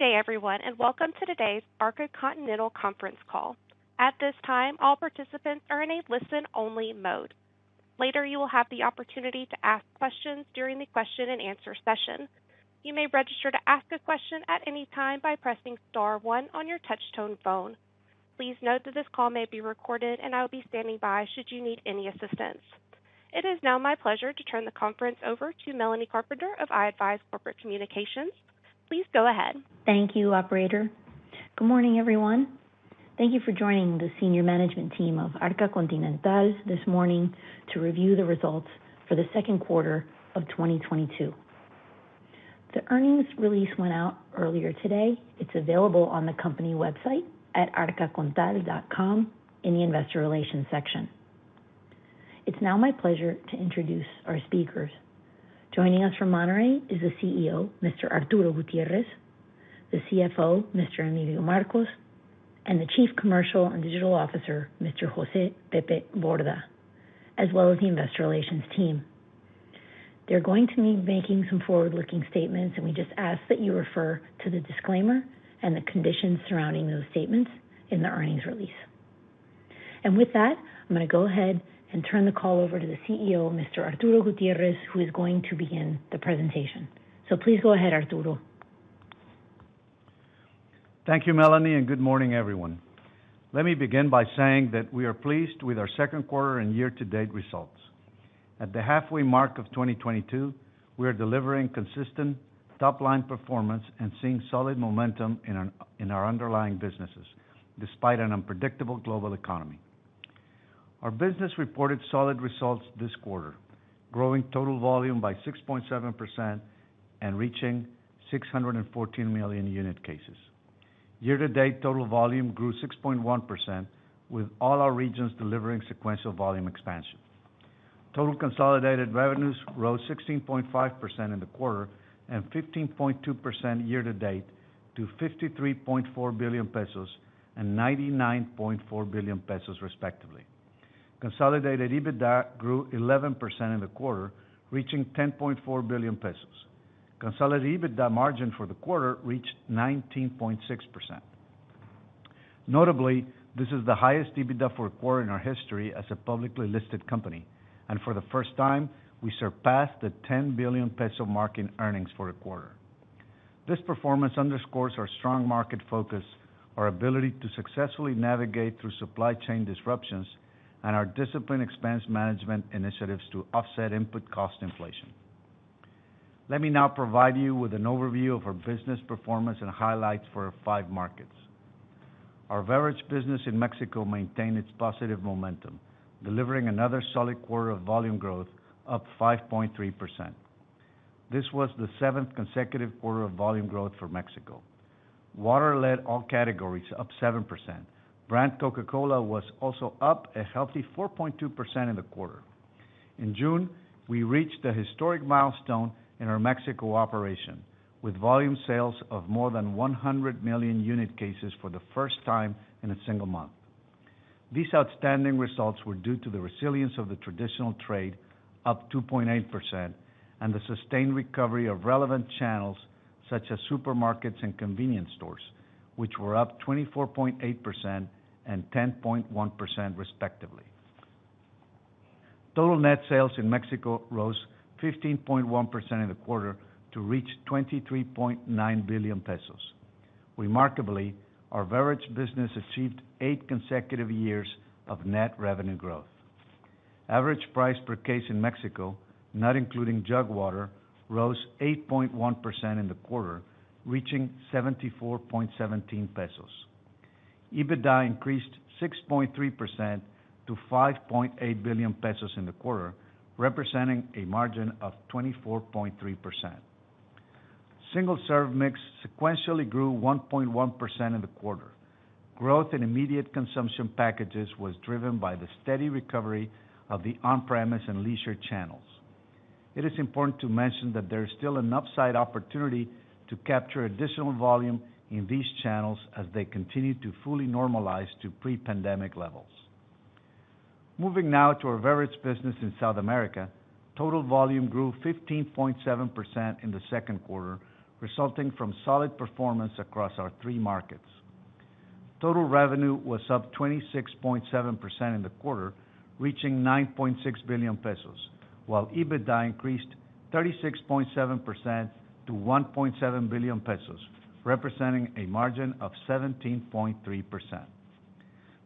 Good day everyone, and welcome to today's Arca Continental conference call. At this time, all participants are in a listen-only mode. Later, you will have the opportunity to ask questions during the question and answer session. You may register to ask a question at any time by pressing star one on your touch-tone phone. Please note that this call may be recorded, and I will be standing by should you need any assistance. It is now my pleasure to turn the conference over to Melanie Carpenter of i-advize Corporate Communications. Please go ahead. Thank you, operator. Good morning, everyone. Thank you for joining the senior management team of Arca Continental this morning to review the results for the second quarter of 2022. The earnings release went out earlier today. It's available on the company website at arcacontinental.com in the investor relations section. It's now my pleasure to introduce our speakers. Joining us from Monterrey is the CEO, Mr. Arturo Gutiérrez, the CFO, Mr. Emilio Marcos, and the Chief Commercial & Digital Officer, Mr. Jose "Pepe" Borda, as well as the investor relations team. They're going to be making some forward-looking statements, and we just ask that you refer to the disclaimer and the conditions surrounding those statements in the earnings release. With that, I'm gonna go ahead and turn the call over to the CEO, Mr. Arturo Gutiérrez, who is going to begin the presentation. Please go ahead, Arturo. Thank you, Melanie, and good morning, everyone. Let me begin by saying that we are pleased with our second quarter and year-to-date results. At the halfway mark of 2022, we are delivering consistent top-line performance and seeing solid momentum in our underlying businesses, despite an unpredictable global economy. Our business reported solid results this quarter, growing total volume by 6.7% and reaching 614 million unit cases. Year-to-date total volume grew 6.1%, with all our regions delivering sequential volume expansion. Total consolidated revenues rose 16.5% in the quarter and 15.2% year to date to 53.4 billion pesos and 99.4 billion pesos respectively. Consolidated EBITDA grew 11% in the quarter, reaching 10.4 billion pesos. Consolidated EBITDA margin for the quarter reached 19.6%. Notably, this is the highest EBITDA for a quarter in our history as a publicly listed company, and for the first time, we surpassed the 10 billion peso mark in earnings for a quarter. This performance underscores our strong market focus, our ability to successfully navigate through supply chain disruptions, and our disciplined expense management initiatives to offset input cost inflation. Let me now provide you with an overview of our business performance and highlights for our five markets. Our beverage business in Mexico maintained its positive momentum, delivering another solid quarter of volume growth, up 5.3%. This was the seventh consecutive quarter of volume growth for Mexico. Water led all categories, up 7%. Brand Coca-Cola was also up a healthy 4.2% in the quarter. In June, we reached a historic milestone in our Mexico operation, with volume sales of more than 100 million unit cases for the first time in a single month. These outstanding results were due to the resilience of the traditional trade, up 2.8%, and the sustained recovery of relevant channels such as supermarkets and convenience stores, which were up 24.8% and 10.1% respectively. Total net sales in Mexico rose 15.1% in the quarter to reach 23.9 billion pesos. Remarkably, our beverage business achieved 8 consecutive years of net revenue growth. Average price per case in Mexico, not including jug water, rose 8.1% in the quarter, reaching 74.17 pesos. EBITDA increased 6.3% to 5.8 billion pesos in the quarter, representing a margin of 24.3%. Single-serve mix sequentially grew 1.1% in the quarter. Growth in immediate consumption packages was driven by the steady recovery of the on-premise and leisure channels. It is important to mention that there is still an upside opportunity to capture additional volume in these channels as they continue to fully normalize to pre-pandemic levels. Moving now to our beverage business in South America. Total volume grew 15.7% in the second quarter, resulting from solid performance across our three markets. Total revenue was up 26.7% in the quarter, reaching 9.6 billion pesos, while EBITDA increased 36.7% to 1.7 billion pesos, representing a margin of 17.3%.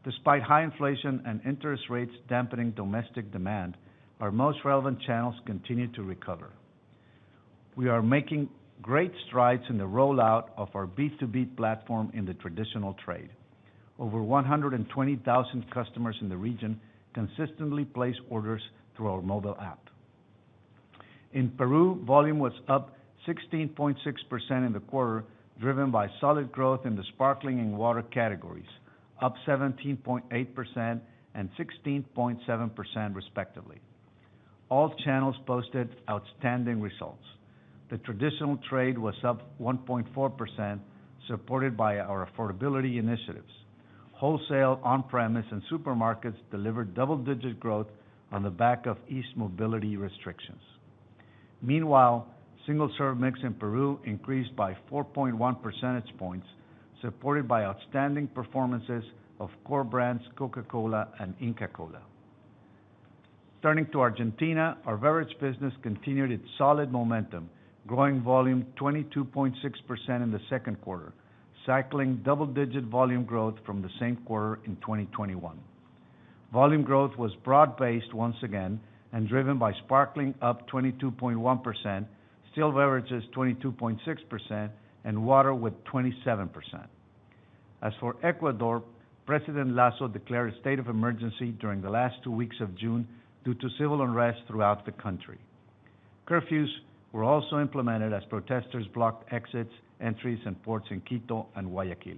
Despite high inflation and interest rates dampening domestic demand, our most relevant channels continue to recover. We are making great strides in the rollout of our B2B platform in the traditional trade. Over 120,000 customers in the region consistently place orders through our mobile app. In Peru, volume was up 16.6% in the quarter, driven by solid growth in the sparkling and water categories, up 17.8% and 16.7% respectively. All channels posted outstanding results. The traditional trade was up 1.4%, supported by our affordability initiatives. Wholesale on-premise and supermarkets delivered double-digit growth on the back of eased mobility restrictions. Meanwhile, single-serve mix in Peru increased by 4.1 percentage points, supported by outstanding performances of core brands Coca-Cola and Inca Kola. Turning to Argentina, our beverage business continued its solid momentum, growing volume 22.6% in the second quarter, cycling double-digit volume growth from the same quarter in 2021. Volume growth was broad-based once again and driven by sparkling up 22.1%, still beverages 22.6% and water with 27%. As for Ecuador, President Lasso declared a state of emergency during the last two weeks of June due to civil unrest throughout the country. Curfews were also implemented as protesters blocked exits, entries and ports in Quito and Guayaquil.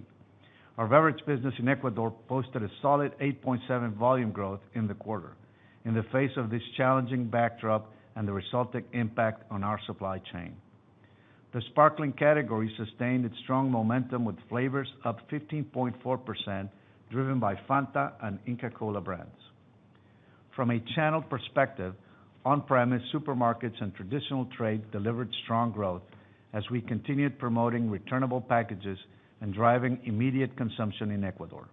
Our beverage business in Ecuador posted a solid 8.7% volume growth in the quarter in the face of this challenging backdrop and the resulting impact on our supply chain. The sparkling category sustained its strong momentum, with flavors up 15.4% driven by Fanta and Inca Kola brands. From a channel perspective, on-premise supermarkets and traditional trade delivered strong growth as we continued promoting returnable packages and driving immediate consumption in Ecuador.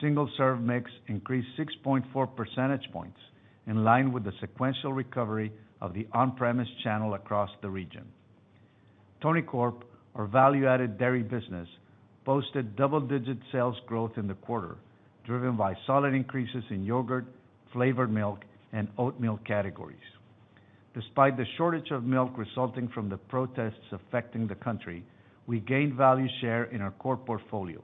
Single serve mix increased 6.4 percentage points, in line with the sequential recovery of the on-premise channel across the region. Tonicorp, our value-added dairy business, posted double-digit sales growth in the quarter, driven by solid increases in yogurt, flavored milk and oatmeal categories. Despite the shortage of milk resulting from the protests affecting the country, we gained value share in our core portfolio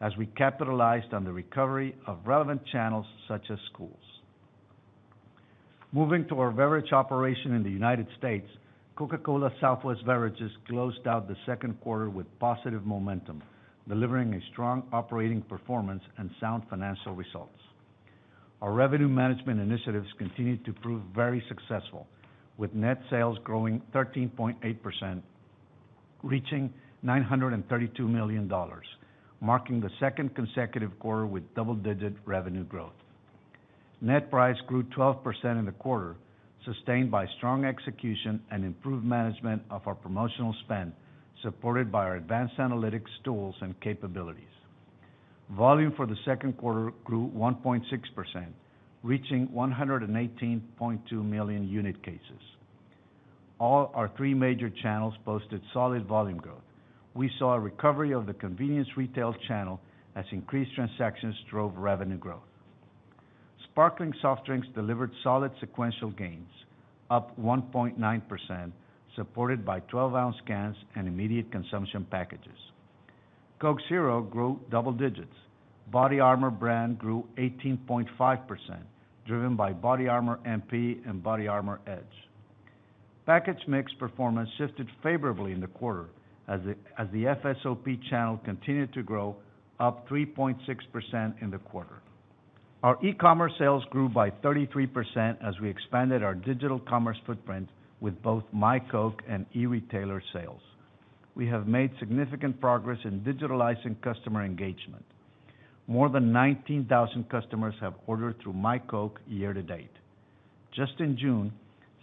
as we capitalized on the recovery of relevant channels such as schools. Moving to our beverage operation in the United States, Coca-Cola Southwest Beverages closed out the second quarter with positive momentum, delivering a strong operating performance and sound financial results. Our revenue management initiatives continued to prove very successful, with net sales growing 13.8%, reaching $932 million, marking the second consecutive quarter with double-digit revenue growth. Net price grew 12% in the quarter, sustained by strong execution and improved management of our promotional spend, supported by our advanced analytics tools and capabilities. Volume for the second quarter grew 1.6%, reaching 118.2 million unit cases. All our three major channels posted solid volume growth. We saw a recovery of the convenience retail channel as increased transactions drove revenue growth. Sparkling soft drinks delivered solid sequential gains, up 1.9%, supported by 12-ounce cans and immediate consumption packages. Coke Zero grew double digits. BODYARMOR brand grew 18.5%, driven by BODYARMOR MP and BODYARMOR Edge. Package mix performance shifted favorably in the quarter as the FSOP channel continued to grow, up 3.6% in the quarter. Our e-commerce sales grew by 33% as we expanded our digital commerce footprint with both myCoke and e-retailer sales. We have made significant progress in digitalizing customer engagement. More than 19,000 customers have ordered through myCoke year to date. Just in June,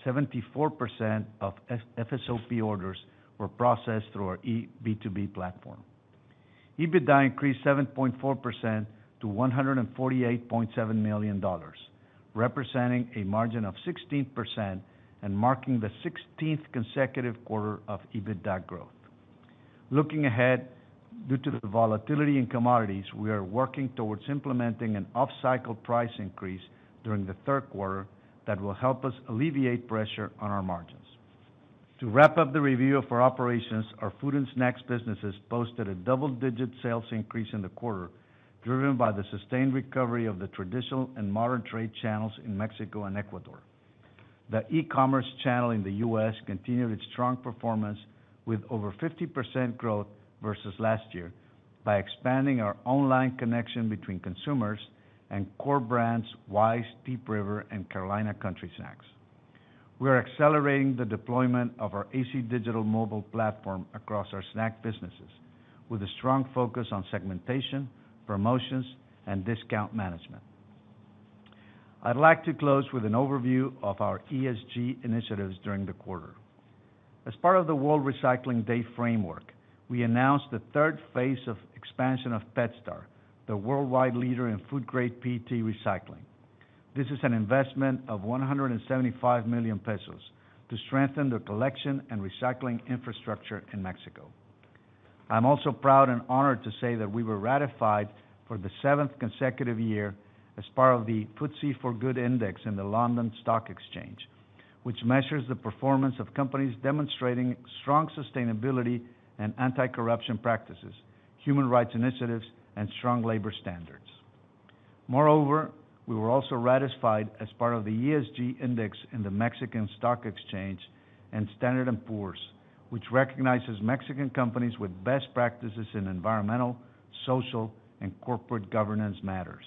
74% of FSOP orders were processed through our eB2B platform. EBITDA increased 7.4% to $148.7 million, representing a margin of 16% and marking the 16th consecutive quarter of EBITDA growth. Looking ahead, due to the volatility in commodities, we are working towards implementing an off-cycle price increase during the third quarter that will help us alleviate pressure on our margins. To wrap up the review of our operations, our food and snacks businesses posted a double-digit sales increase in the quarter, driven by the sustained recovery of the traditional and modern trade channels in Mexico and Ecuador. The e-commerce channel in the US continued its strong performance with over 50% growth versus last year by expanding our online connection between consumers and core brands Wise, Deep River and Carolina Country Snacks. We are accelerating the deployment of our AC Digital mobile platform across our snack businesses with a strong focus on segmentation, promotions and discount management. I'd like to close with an overview of our ESG initiatives during the quarter. As part of the World Recycling Day framework, we announced the third phase of expansion of PetStar, the worldwide leader in food grade PET recycling. This is an investment of 175 million pesos to strengthen the collection and recycling infrastructure in Mexico. I'm also proud and honored to say that we were ratified for the seventh consecutive year as part of the FTSE4Good Index in the London Stock Exchange, which measures the performance of companies demonstrating strong sustainability and anti-corruption practices, human rights initiatives and strong labor standards. Moreover, we were also ratified as part of the ESG Index in the Mexican Stock Exchange and Standard & Poor's, which recognizes Mexican companies with best practices in environmental, social, and corporate governance matters.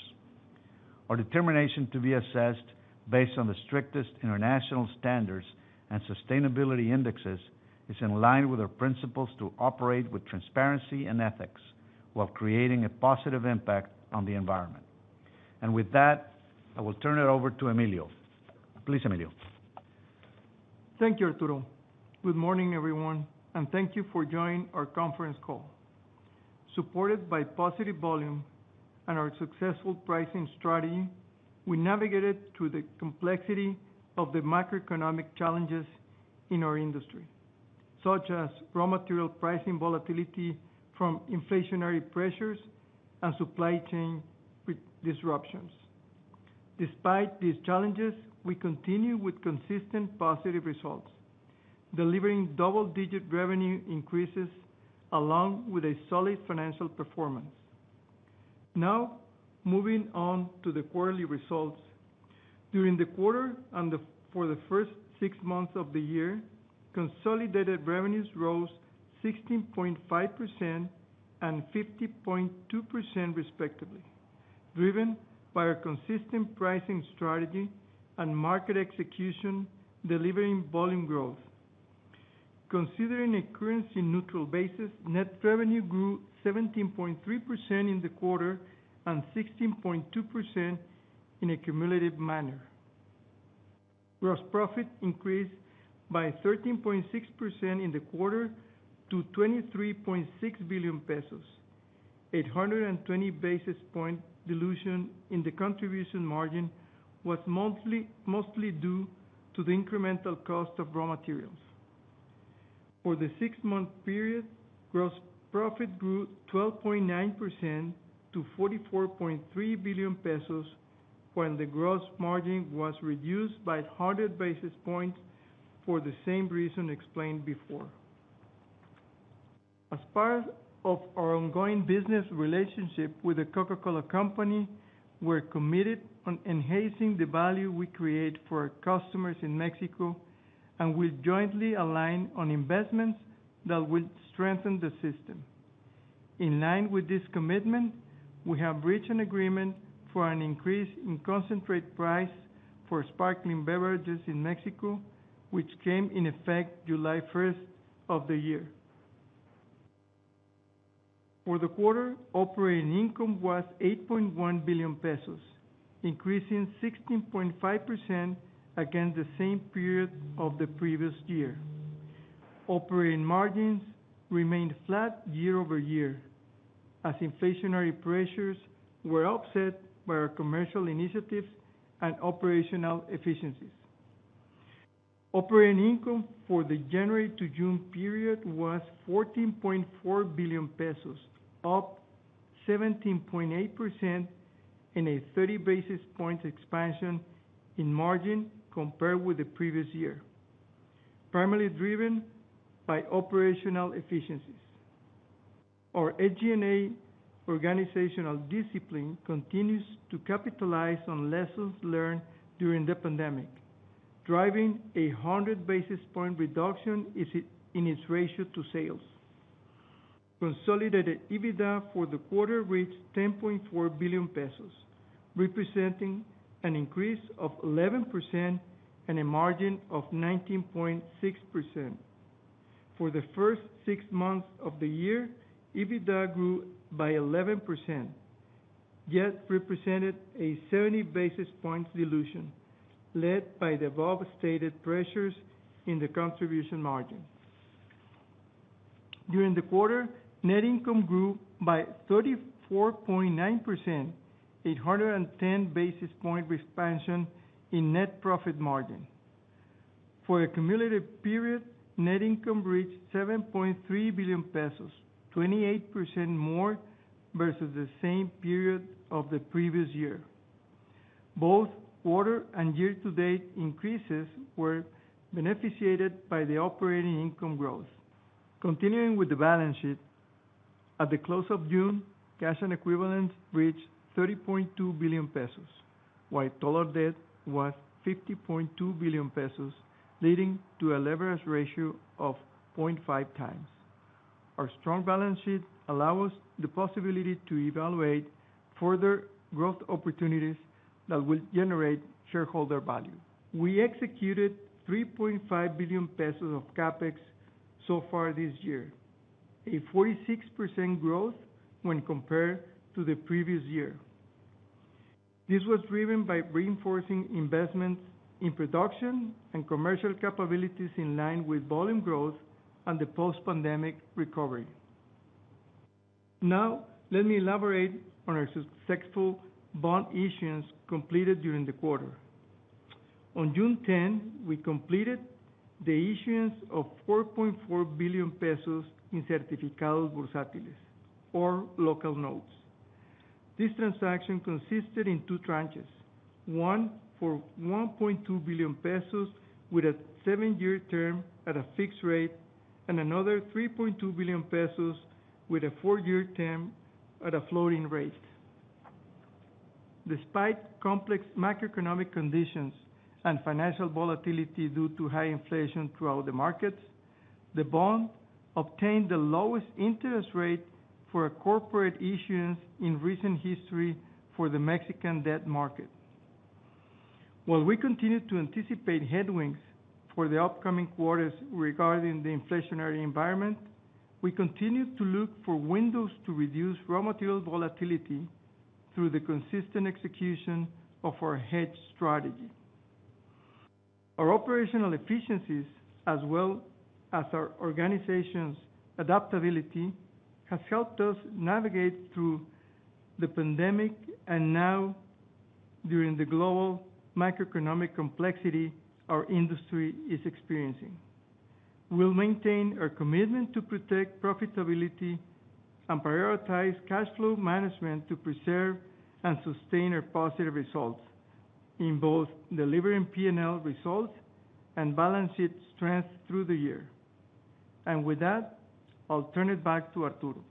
Our determination to be assessed based on the strictest international standards and sustainability indexes is in line with our principles to operate with transparency and ethics while creating a positive impact on the environment. With that, I will turn it over to Emilio. Please, Emilio. Thank you, Arturo. Good morning, everyone, and thank you for joining our conference call. Supported by positive volume and our successful pricing strategy, we navigated through the complexity of the macroeconomic challenges in our industry, such as raw material pricing volatility from inflationary pressures and supply chain disruptions. Despite these challenges, we continue with consistent positive results, delivering double-digit revenue increases along with a solid financial performance. Now, moving on to the quarterly results. During the quarter, for the first six months of the year, consolidated revenues rose 16.5% and 50.2% respectively, driven by our consistent pricing strategy and market execution delivering volume growth. Considering a currency neutral basis, net revenue grew 17.3% in the quarter and 16.2% in a cumulative manner. Gross profit increased by 13.6% in the quarter to 23.6 billion pesos. 820 basis points dilution in the contribution margin was mainly due to the incremental cost of raw materials. For the six-month period, gross profit grew 12.9% to 44.3 billion pesos, with the gross margin reduced by 100 basis points for the same reason explained before. As part of our ongoing business relationship with The Coca-Cola Company, we're committed to enhancing the value we create for our customers in Mexico, and we jointly align on investments that will strengthen the system. In line with this commitment, we have reached an agreement for an increase in concentrate price for sparkling beverages in Mexico, which came into effect July 1st of the year. For the quarter, operating income was 8.1 billion pesos, increasing 16.5% against the same period of the previous year. Operating margins remained flat year-over- year as inflationary pressures were offset by our commercial initiatives and operational efficiencies. Operating income for the January to June period was 14.4 billion pesos, up 17.8% in a 30 basis points expansion in margin compared with the previous year, primarily driven by operational efficiencies. Our SG&A organizational discipline continues to capitalize on lessons learned during the pandemic, driving a 100 basis points reduction in its ratio to sales. Consolidated EBITDA for the quarter reached 10.4 billion pesos, representing an increase of 11% and a margin of 19.6%. For the first six months of the year, EBITDA grew by 11%, yet represented a 70 basis points dilution, led by the above-stated pressures in the contribution margin. During the quarter, net income grew by 34.9%, 810 basis point expansion in net profit margin. For the cumulative period, net income reached 7.3 billion pesos, 28% more versus the same period of the previous year. Both quarter and year to date increases were benefited by the operating income growth. Continuing with the balance sheet, at the close of June, cash and equivalents reached 30.2 billion pesos, while total debt was 50.2 billion pesos, leading to a leverage ratio of 0.5x. Our strong balance sheet allow us the possibility to evaluate further growth opportunities that will generate shareholder value. We executed 3.5 billion pesos of CapEx so far this year, a 46% growth when compared to the previous year. This was driven by reinforcing investments in production and commercial capabilities in line with volume growth and the post-pandemic recovery. Now, let me elaborate on our successful bond issuance completed during the quarter. On June 10, we completed the issuance of 4.4 billion pesos in Certificados Bursátiles or local notes. This transaction consisted in two tranches, one for 1.2 billion pesos with a 7-year term at a fixed rate, and another 3.2 billion pesos with a 4-year term at a floating rate. Despite complex macroeconomic conditions and financial volatility due to high inflation throughout the markets. The bond obtained the lowest interest rate for a corporate issuance in recent history for the Mexican debt market. While we continue to anticipate headwinds for the upcoming quarters regarding the inflationary environment, we continue to look for windows to reduce raw material volatility through the consistent execution of our hedge strategy. Our operational efficiencies, as well as our organization's adaptability, have helped us navigate through the pandemic, and now during the global macroeconomic complexity our industry is experiencing. We'll maintain our commitment to protect profitability and prioritize cash flow management to preserve and sustain our positive results in both delivering P&L results and balance sheet strength through the year. With that, I'll turn it back to Arturo.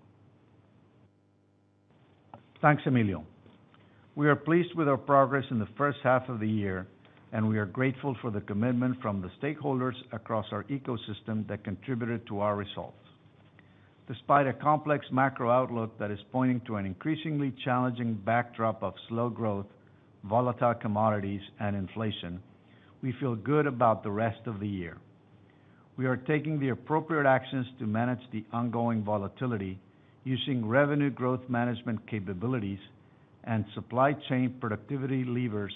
Thanks, Emilio. We are pleased with our progress in the first half of the year, and we are grateful for the commitment from the stakeholders across our ecosystem that contributed to our results. Despite a complex macro outlook that is pointing to an increasingly challenging backdrop of slow growth, volatile commodities, and inflation, we feel good about the rest of the year. We are taking the appropriate actions to manage the ongoing volatility using revenue growth management capabilities and supply chain productivity levers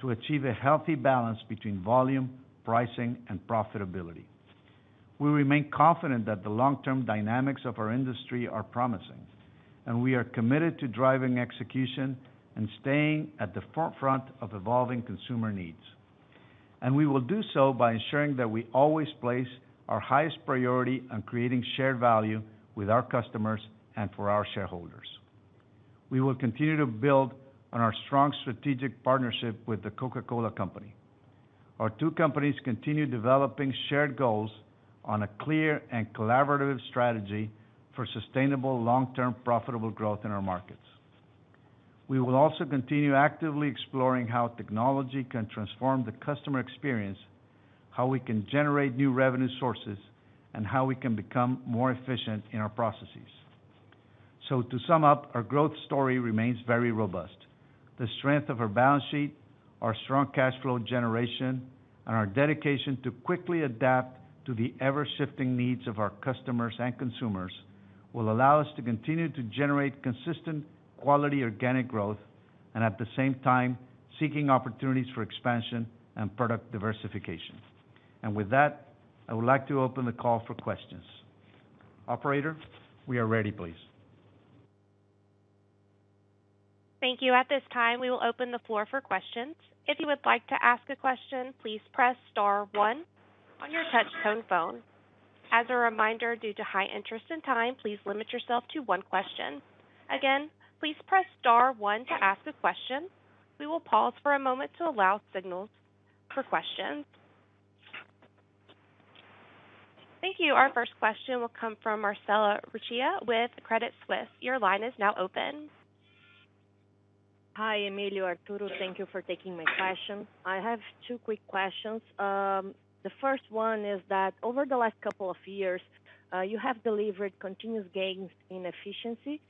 to achieve a healthy balance between volume, pricing, and profitability. We remain confident that the long-term dynamics of our industry are promising, and we are committed to driving execution and staying at the forefront of evolving consumer needs. We will do so by ensuring that we always place our highest priority on creating shared value with our customers and for our shareholders. We will continue to build on our strong strategic partnership with The Coca-Cola Company. Our two companies continue developing shared goals on a clear and collaborative strategy for sustainable long-term profitable growth in our markets. We will also continue actively exploring how technology can transform the customer experience, how we can generate new revenue sources, and how we can become more efficient in our processes. To sum up, our growth story remains very robust. The strength of our balance sheet, our strong cash flow generation, and our dedication to quickly adapt to the ever-shifting needs of our customers and consumers will allow us to continue to generate consistent quality organic growth and at the same time, seeking opportunities for expansion and product diversification. With that, I would like to open the call for questions. Operator, we are ready, please. Thank you. At this time, we will open the floor for questions. If you would like to ask a question, please press star one on your touch tone phone. As a reminder, due to high interest and time, please limit yourself to one question. Again, please press star one to ask a question. We will pause for a moment to allow signals for questions. Thank you. Our first question will come from Marcella Recchia with Credit Suisse. Your line is now open. Hi, Emilio, Arturo. Thank you for taking my question. I have two quick questions. The first one is that over the last couple of years, you have delivered continuous gains in efficiency,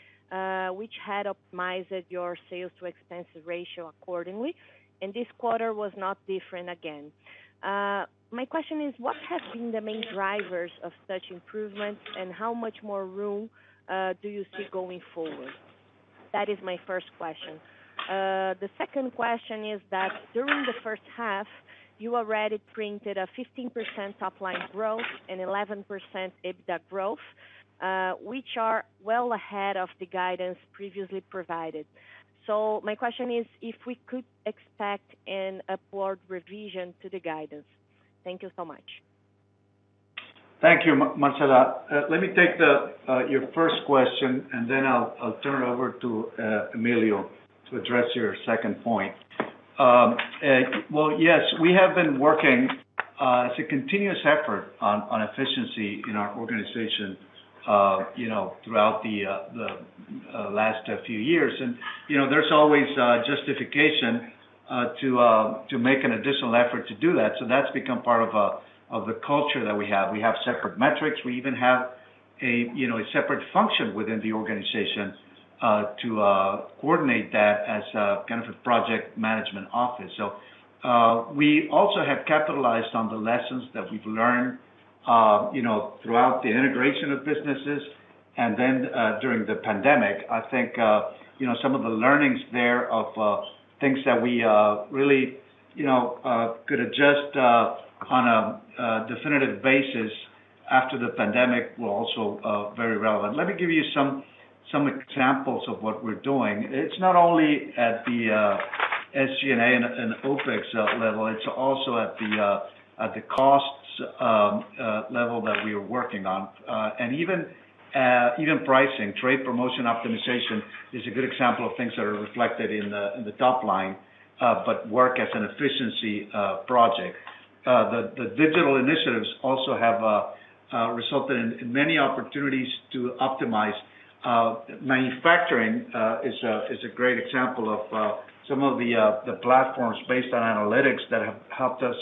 which had optimized your sales to expense ratio accordingly, and this quarter was not different again. My question is, what has been the main drivers of such improvements, and how much more room do you see going forward? That is my first question. The second question is that during the first half, you already printed a 15% top line growth and 11% EBITDA growth, which are well ahead of the guidance previously provided. My question is if we could expect an upward revision to the guidance. Thank you so much. Thank you, Marcella. Let me take your first question, and then I'll turn it over to Emilio to address your second point. Well, yes, we have been working. It's a continuous effort on efficiency in our organization, you know, throughout the last few years. You know, there's always justification to make an additional effort to do that. That's become part of the culture that we have. We have separate metrics. We even have a separate function within the organization to coordinate that as a kind of a project management office. We also have capitalized on the lessons that we've learned, you know, throughout the integration of businesses and then during the pandemic. I think, you know, some of the learnings there of things that we really, you know, could adjust on a definitive basis after the pandemic were also very relevant. Let me give you some examples of what we're doing. It's not only at the SG&A and OpEx level, it's also at the costs level that we are working on. Even pricing, trade promotion optimization is a good example of things that are reflected in the top line but work as an efficiency project. The digital initiatives also have resulted in many opportunities to optimize. Manufacturing is a great example of some of the platforms based on analytics that have helped us,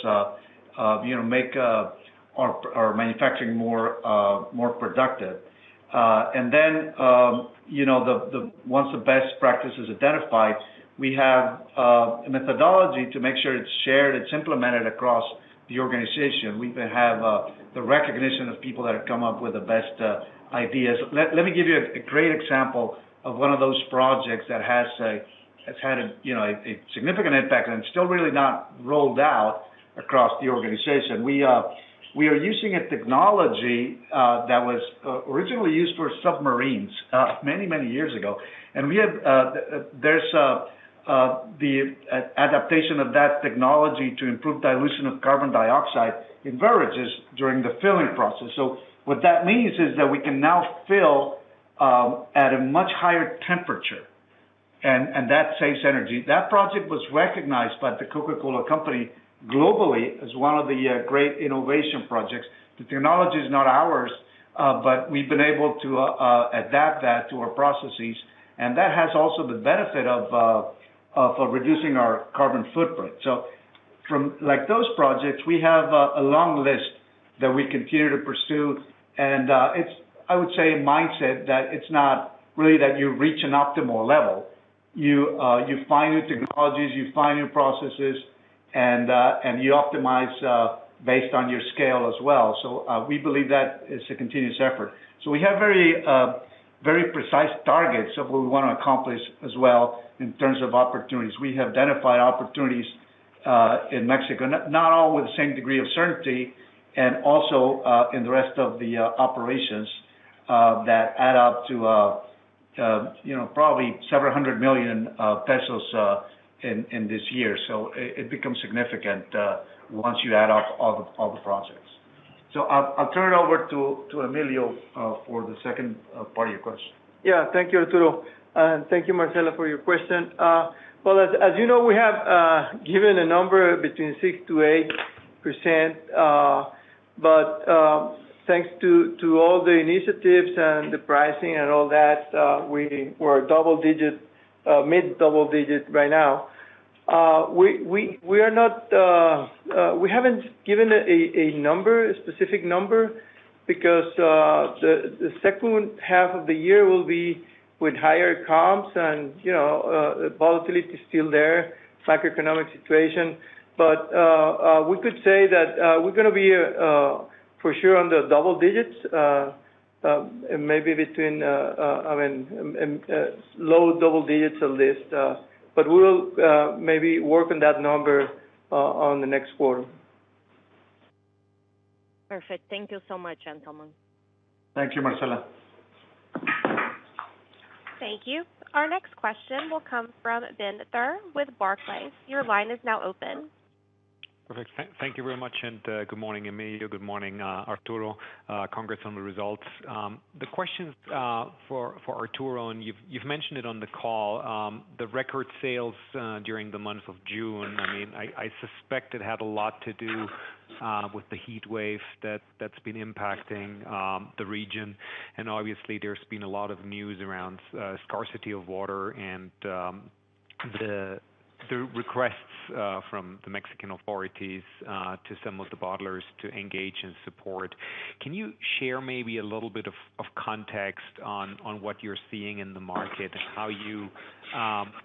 you know, make our manufacturing more productive. You know, once the best practice is identified, we have a methodology to make sure it's shared, it's implemented across the organization. We have the recognition of people that have come up with the best ideas. Let me give you a great example of one of those projects that has had a you know a significant impact and it's still really not rolled out across the organization. We are using a technology that was originally used for submarines many years ago. We have the adaptation of that technology to improve dilution of carbon dioxide in beverages during the filling process. What that means is that we can now fill at a much higher temperature, and that saves energy. That project was recognized by the Coca-Cola Company globally as one of the great innovation projects. The technology is not ours, but we've been able to adapt that to our processes, and that has also the benefit of reducing our carbon footprint. From like those projects, we have a long list that we continue to pursue. I would say mindset that it's not really that you reach an optimal level. You find new technologies, you find new processes, and you optimize based on your scale as well. We believe that is a continuous effort. We have very precise targets of what we wanna accomplish as well in terms of opportunities. We have identified opportunities in Mexico, not all with the same degree of certainty, and also in the rest of the operations that add up to, you know, probably 700 million pesos in this year. It becomes significant once you add up all the projects. I'll turn it over to Emilio for the second part of your question. Yeah. Thank you, Arturo. Thank you, Marcella, for your question. As you know, we have given a number between 6%-8%, but thanks to all the initiatives and the pricing and all that, we were double-digit, mid-double-digit right now. We haven't given a specific number because the second half of the year will be with higher comps and, you know, volatility is still there, macroeconomic situation. We could say that we're gonna be for sure under double digits, maybe, I mean, low double digits at least. We'll maybe work on that number on the next quarter. Perfect. Thank you so much, gentlemen. Thank you, Marcella. Thank you. Our next question will come from Benjamin Theurer with Barclays. Your line is now open. Perfect. Thank you very much, and good morning, Emilio, good morning, Arturo. Congrats on the results. The questions for Arturo, and you've mentioned it on the call, the record sales during the month of June. I mean, I suspect it had a lot to do with the heatwave that's been impacting the region. Obviously there's been a lot of news around scarcity of water and the requests from the Mexican authorities to some of the bottlers to engage and support. Can you share maybe a little bit of context on what you're seeing in the market and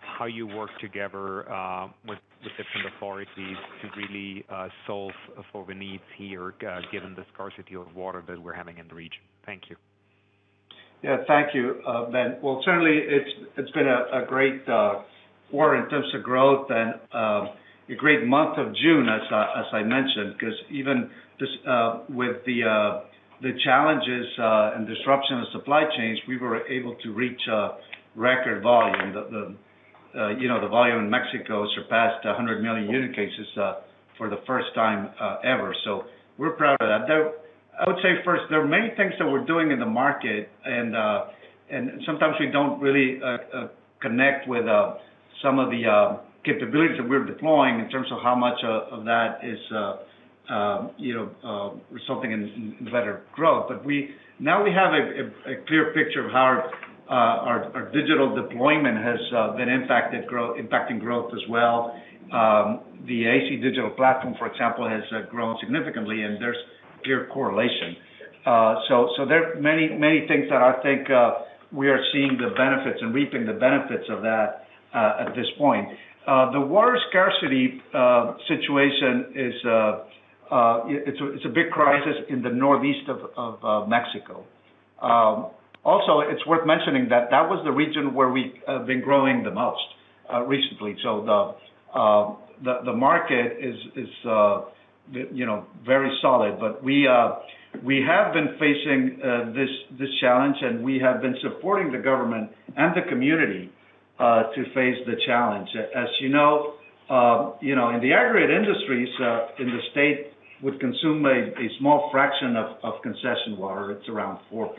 how you work together with different authorities to really solve for the needs here, given the scarcity of water that we're having in the region? Thank you. Yeah. Thank you, Ben. Well, certainly it's been a great quarter in terms of growth and a great month of June as I mentioned, 'cause even this with the challenges and disruption of supply chains, we were able to reach a record volume. The volume in Mexico surpassed 100 million unit cases for the first time ever. So we're proud of that. I would say first, there are many things that we're doing in the market and sometimes we don't really connect with some of the capabilities that we're deploying in terms of how much of that is resulting in better growth. Now we have a clear picture of how our digital deployment has been impacting growth as well. The AC Digital platform, for example, has grown significantly and there's clear correlation. So there are many things that I think we are seeing the benefits and reaping the benefits of that at this point. The water scarcity situation is a big crisis in the northeast of Mexico. Also it's worth mentioning that that was the region where we been growing the most recently. The market is, you know, very solid. We have been facing this challenge, and we have been supporting the government and the community to face the challenge. As you know, you know, in the aggregate industries, in the state would consume a small fraction of concession water. It's around 4%.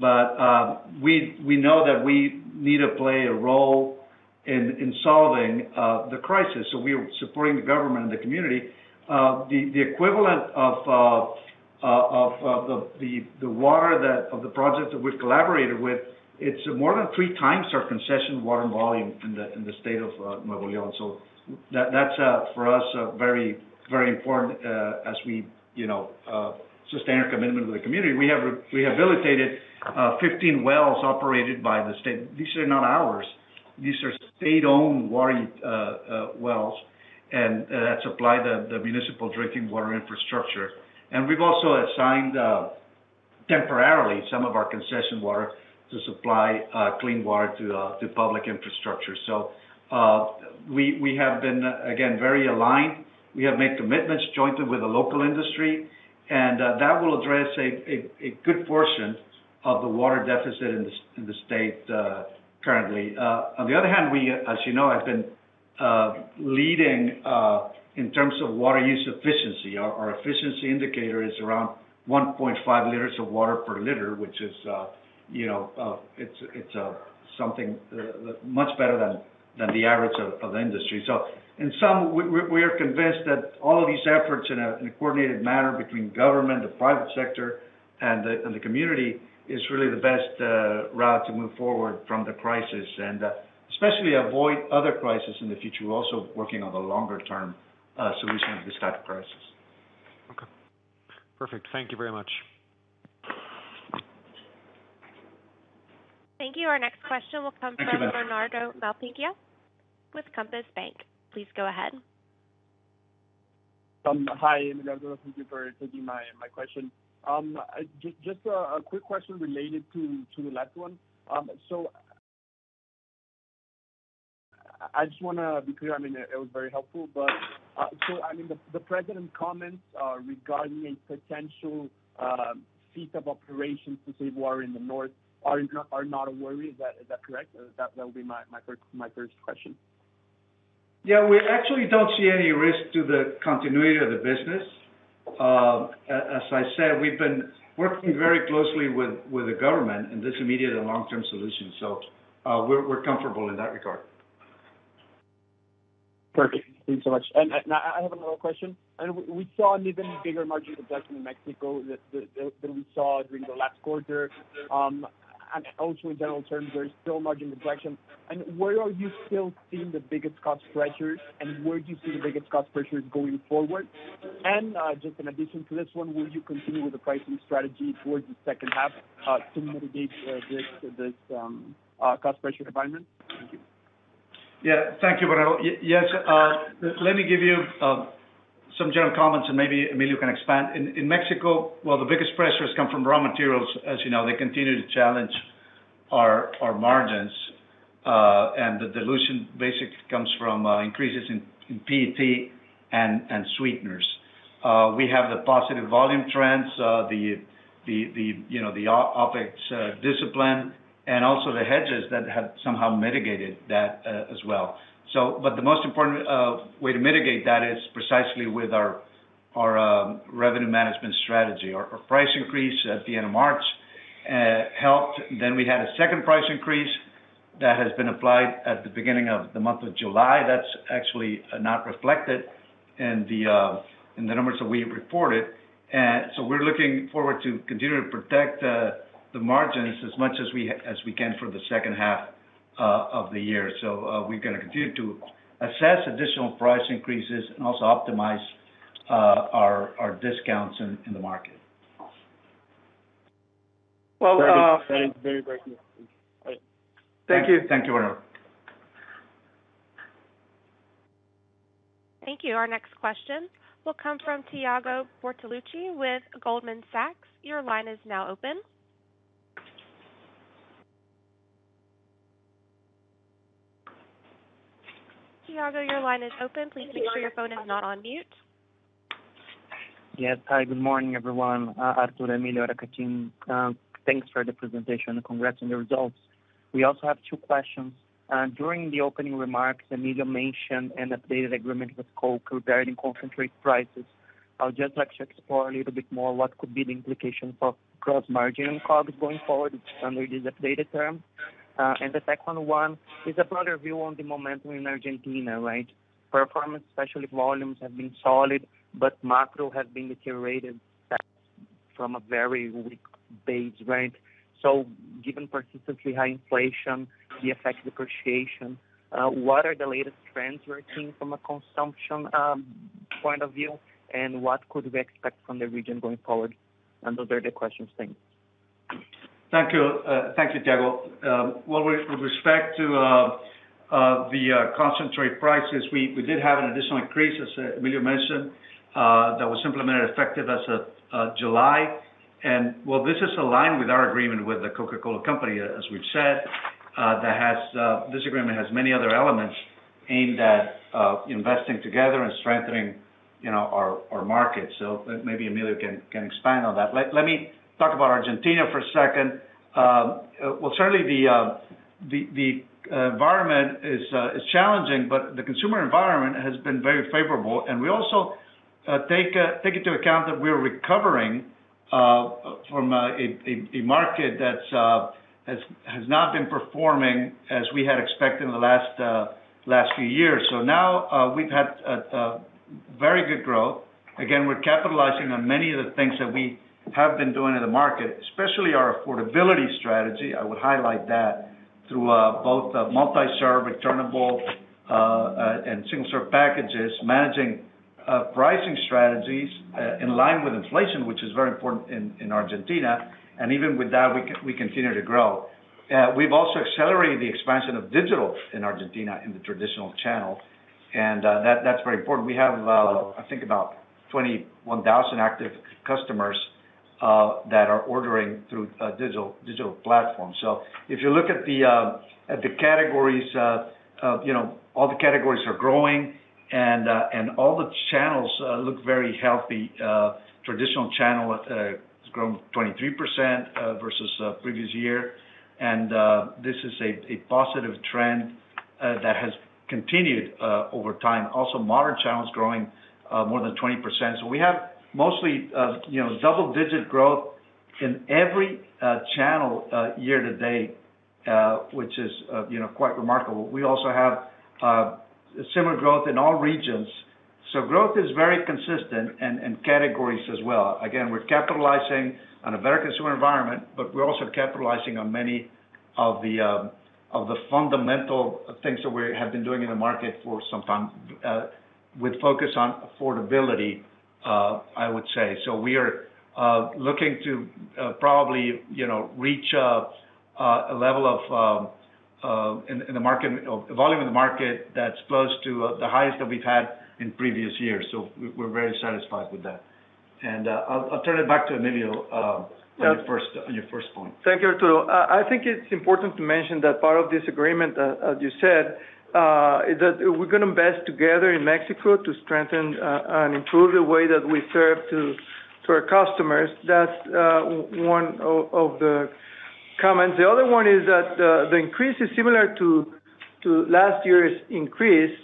We know that we need to play a role in solving the crisis, so we are supporting the government and the community. The equivalent of the water of the project that we've collaborated with, it's more than 3x our concession water volume in the state of Nuevo León. That's for us a very important as we you know sustain our commitment to the community. We rehabilitated 15 wells operated by the state. These are not ours. These are state-owned water wells and that supply the municipal drinking water infrastructure. We've also assigned temporarily some of our concession water to supply clean water to public infrastructure. We have been again very aligned. We have made commitments jointly with the local industry, and that will address a good portion of the water deficit in the state currently. On the other hand, we, as you know, have been leading in terms of water use efficiency. Our efficiency indicator is around 1.5 liters of water per liter, which is, you know, it's something that much better than the average of the industry. In sum, we are convinced that all of these efforts in a coordinated manner between government, the private sector, and the community is really the best route to move forward from the crisis. Especially avoid other crisis in the future. We're also working on the longer term solution of this type of crisis. Okay. Perfect. Thank you very much. Thank you. Our next question will come from Bernardo Malpica with Compass Group. Please go ahead. Hi, Bernardo. Thank you for taking my question. Just a quick question related to the last one. I just wanna be clear, I mean, it was very helpful, but so I mean, the president comments regarding a potential cease of operations to save water in the north are not a worry. Is that correct? That would be my first question. Yeah, we actually don't see any risk to the continuity of the business. As I said, we've been working very closely with the government in this immediate and long-term solution. We're comfortable in that regard. Perfect. Thank you so much. I have another question. We saw an even bigger margin reduction in Mexico than we saw during the last quarter. Also in general terms, there is still margin reduction. Where are you still seeing the biggest cost pressures, and where do you see the biggest cost pressures going forward? Just an addition to this one, will you continue with the pricing strategy towards the second half to mitigate this cost pressure environment? Thank you. Yeah. Thank you, Bernardo. Yes, let me give you some general comments, and maybe Emilio can expand. In Mexico, well, the biggest pressures come from raw materials. As you know, they continue to challenge our margins. The dilution basically comes from increases in PET and sweeteners. We have the positive volume trends, the OpEx discipline and also the hedges that have somehow mitigated that as well. The most important way to mitigate that is precisely with our revenue management strategy. Our price increase at the end of March helped. We had a second price increase that has been applied at the beginning of the month of July. That's actually not reflected in the numbers that we reported. We're looking forward to continue to protect the margins as much as we can for the second half of the year. We're gonna continue to assess additional price increases and also optimize our discounts in the market. Well, Thank you. Thanks. Very grateful. Bye. Thank you. Thank you, Bernardo. Thank you. Our next question will come from Thiago Bortoluci with Goldman Sachs. Your line is now open. Thiago, your line is open. Please make sure your phone is not on mute. Yes. Hi, good morning, everyone. Arturo, Emilio, Arca team, thanks for the presentation and congrats on the results. We also have two questions. During the opening remarks, Emilio mentioned an updated agreement with Coke regarding concentrate prices. I would just like to explore a little bit more what could be the implication for gross margin and COGS going forward under this updated term. The second one is about our view on the momentum in Argentina, right? Performance, especially volumes, have been solid, but macro has been deteriorated back from a very weak base, right? So given persistently high inflation, the FX depreciation, what are the latest trends we're seeing from a consumption, point of view, and what could we expect from the region going forward? Those are the questions. Thanks. Thank you. Thank you, Thiago. Well, with respect to the concentrate prices, we did have an additional increase, as Emilio mentioned, that was implemented effective as of July. While this is aligned with our agreement with The Coca-Cola Company, as we've said, this agreement has many other elements aimed at investing together and strengthenin g, you know, our market. Maybe Emilio can expand on that. Let me talk about Argentina for a second. Well, certainly the environment is challenging, but the consumer environment has been very favorable. We also take into account that we're recovering from a market that has not been performing as we had expected in the last few years. Now, we've had a very good growth. Again, we're capitalizing on many of the things that we have been doing in the market, especially our affordability strategy. I would highlight that through both the multi-serve returnable and single-serve packages, managing pricing strategies in line with inflation, which is very important in Argentina. Even with that, we continue to grow. We've also accelerated the expansion of digital in Argentina in the traditional channel. That's very important. We have, I think about 21,000 active customers that are ordering through a digital platform. If you look at the categories, you know, all the categories are growing and all the channels look very healthy. Traditional channel has grown 23% versus previous year. This is a positive trend that has continued over time. Also, modern channels growing more than 20%. We have mostly, you know, double-digit growth in every channel year-to-date, which is, you know, quite remarkable. We also have similar growth in all regions. Growth is very consistent and categories as well. Again, we're capitalizing on a better consumer environment, but we're also capitalizing on many of the fundamental things that we have been doing in the market for some time with focus on affordability, I would say. We are looking to probably, you know, reach a level of volume in the market that's close to the highest that we've had in previous years. We're very satisfied with that. I'll turn it back to Emilio on your first point. Thank you, Arturo. I think it's important to mention that part of this agreement, as you said, is that we're gonna invest together in Mexico to strengthen and improve the way that we serve to our customers. That's one of the comments. The other one is that the increase is similar to last year's increase.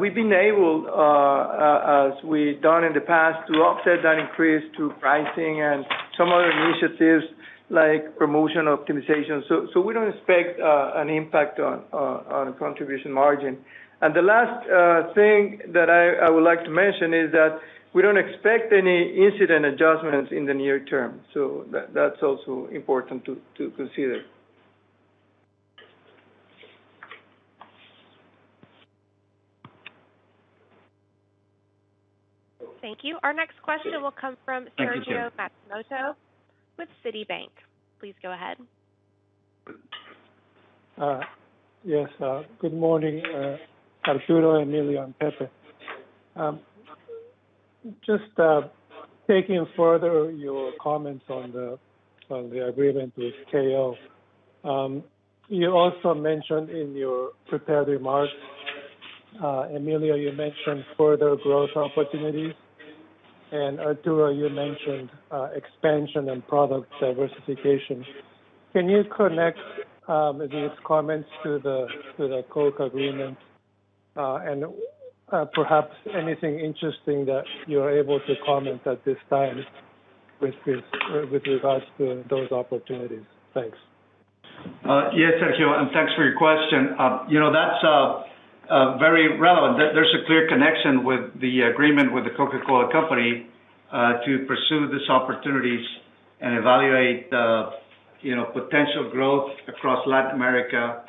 We've been able, as we've done in the past, to offset that increase to pricing and some other initiatives like promotion optimization. We don't expect an impact on contribution margin. The last thing that I would like to mention is that we don't expect any incentive adjustments in the near term. That's also important to consider. Thank you. Our next question will come from Sergio Matsumoto with Citi. Please go ahead. Yes. Good morning, Arturo, Emilio, and Pepe. Just taking further your comments on the agreement with KO. You also mentioned in your prepared remarks, Emilio, you mentioned further growth opportunities, and Arturo, you mentioned expansion and product diversification. Can you connect these comments to the Coke agreement? And perhaps anything interesting that you're able to comment at this time with regards to those opportunities? Thanks. Yes, Sergio, and thanks for your question. You know, that's very relevant. There's a clear connection with the agreement with The Coca-Cola Company to pursue these opportunities and evaluate, you know, potential growth across Latin America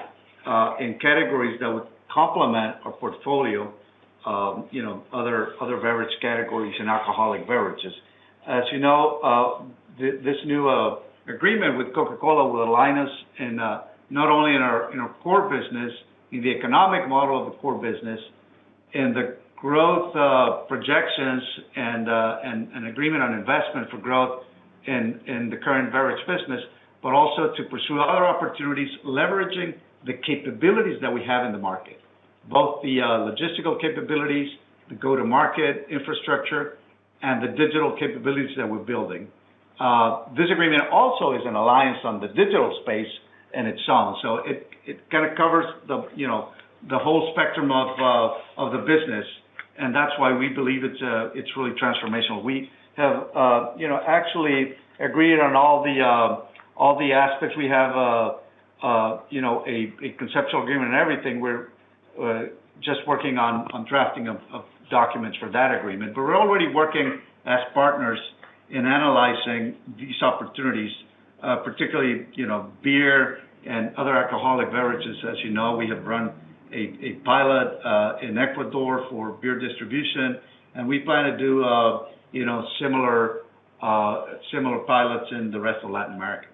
in categories that would complement our portfolio, you know, other beverage categories and alcoholic beverages. As you know, this new agreement with Coca-Cola will align us in not only in our core business, in the economic model of the core business, in the growth projections and agreement on investment for growth in the current beverage business, but also to pursue other opportunities leveraging the capabilities that we have in the market. Both the logistical capabilities, the go-to-market infrastructure, and the digital capabilities that we're building. This agreement also is an alliance on the digital space in its own. It kinda covers the you know the whole spectrum of the business, and that's why we believe it's really transformational. We have actually agreed on all the aspects. We have a conceptual agreement and everything. We're just working on drafting of documents for that agreement. We're already working as partners in analyzing these opportunities, particularly you know beer and other alcoholic beverages. As you know, we have run a pilot in Ecuador for beer distribution, and we plan to do similar pilots in the rest of Latin America.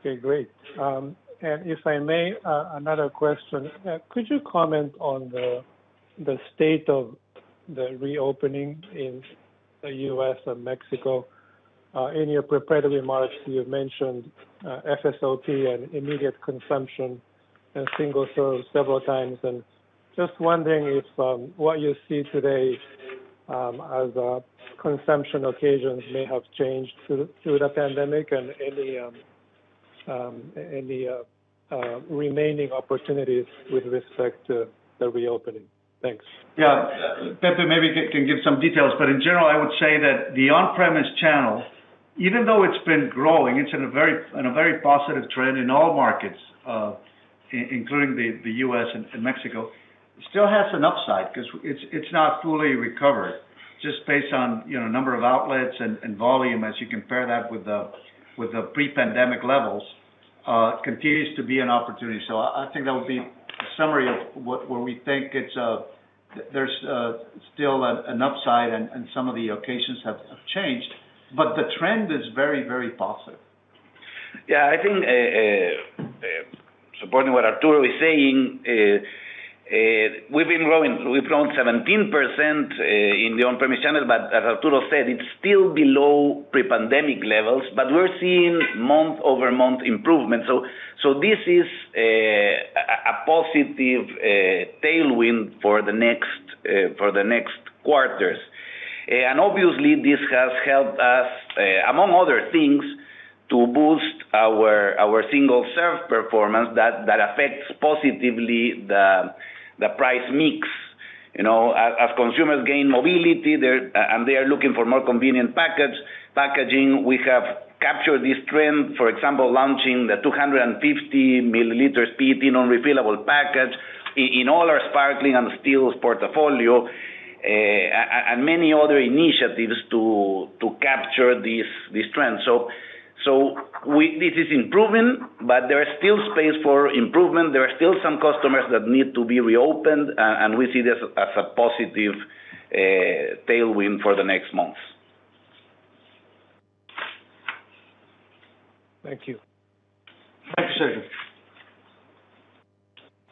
Okay, great. If I may, another question. Could you comment on the state of the reopening in the U.S. and Mexico? In your preparatory remarks, you mentioned FSOP and immediate consumption and single-serve several times. Just wondering if what you see today as a consumption occasion may have changed through the pandemic and any remaining opportunities with respect to the reopening. Thanks. Yeah. Pepe maybe can give some details. In general, I would say that the on-premise channel, even though it's been growing, it's in a very positive trend in all markets, including the U.S. And Mexico, still has an upside 'cause it's not fully recovered just based on, you know, number of outlets and volume as you compare that with the pre-pandemic levels, continues to be an opportunity. I think that would be a summary of where we think there's still an upside and some of the occasions have changed. The trend is very, very positive. I think, supporting what Arturo is saying, we've grown 17% in the on-premise channel, but as Arturo said, it's still below pre-pandemic levels. We're seeing month-over-month improvement. This is a positive tailwind for the next quarters. Obviously, this has helped us, among other things, to boost our single serve performance that affects positively the price mix. You know, as consumers gain mobility, and they are looking for more convenient packaging, we have captured this trend, for example, launching the 250 milliliters PET in a refillable package in all our sparkling and stills portfolio, and many other initiatives to capture this trend. We... This is improving, but there is still space for improvement. There are still some customers that need to be reopened, and we see this as a positive, tailwind for the next months. Thank you. Next question.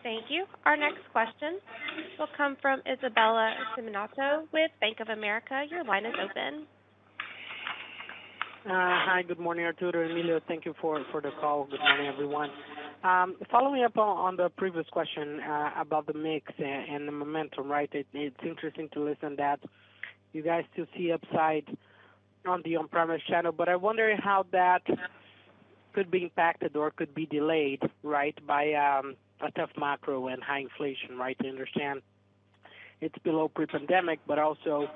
Thank you. Our next question will come from Isabella Simonato with Bank of America. Your line is open. Hi, good morning, Arturo, Emilio. Thank you for the call. Good morning, everyone. Following up on the previous question about the mix and the momentum, right? It's interesting to listen that you guys still see upside on the on-premise channel, but I wonder how that could be impacted or could be delayed, right, by a tough macro and high inflation, right? To understand it's below pre-pandemic, but also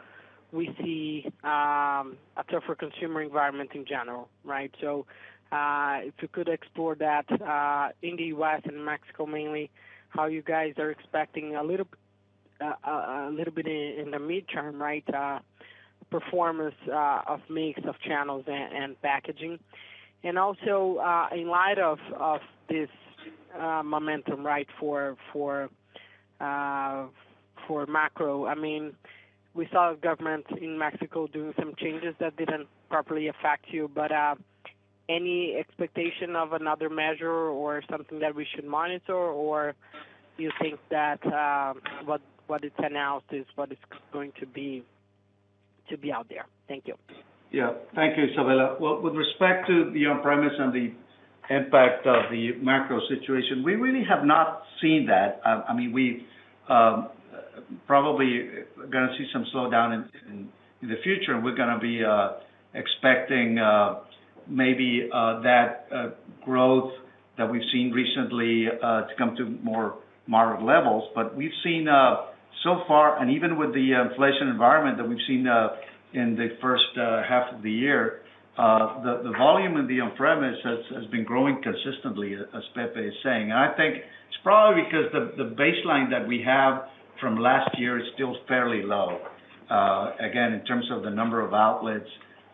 we see a tougher consumer environment in general, right? If you could explore that in the U.S. and Mexico mainly, how you guys are expecting a little bit in the midterm, right, performance of mix of channels and packaging. Also, in light of this momentum, right, for macro, I mean, we saw government in Mexico do some changes that didn't properly affect you. Any expectation of another measure or something that we should monitor? You think that what is announced is what is going to be out there? Thank you. Yeah. Thank you, Isabella. Well, with respect to the on-premise and the impact of the macro situation, we really have not seen that. I mean, we probably gonna see some slowdown in the future. We're gonna be expecting maybe that growth that we've seen recently to come to more moderate levels. We've seen so far and even with the inflation environment that we've seen in the first half of the year, the volume in the on-premise has been growing consistently, as Pepe is saying. I think it's probably because the baseline that we have from last year is still fairly low. Again, in terms of the number of outlets,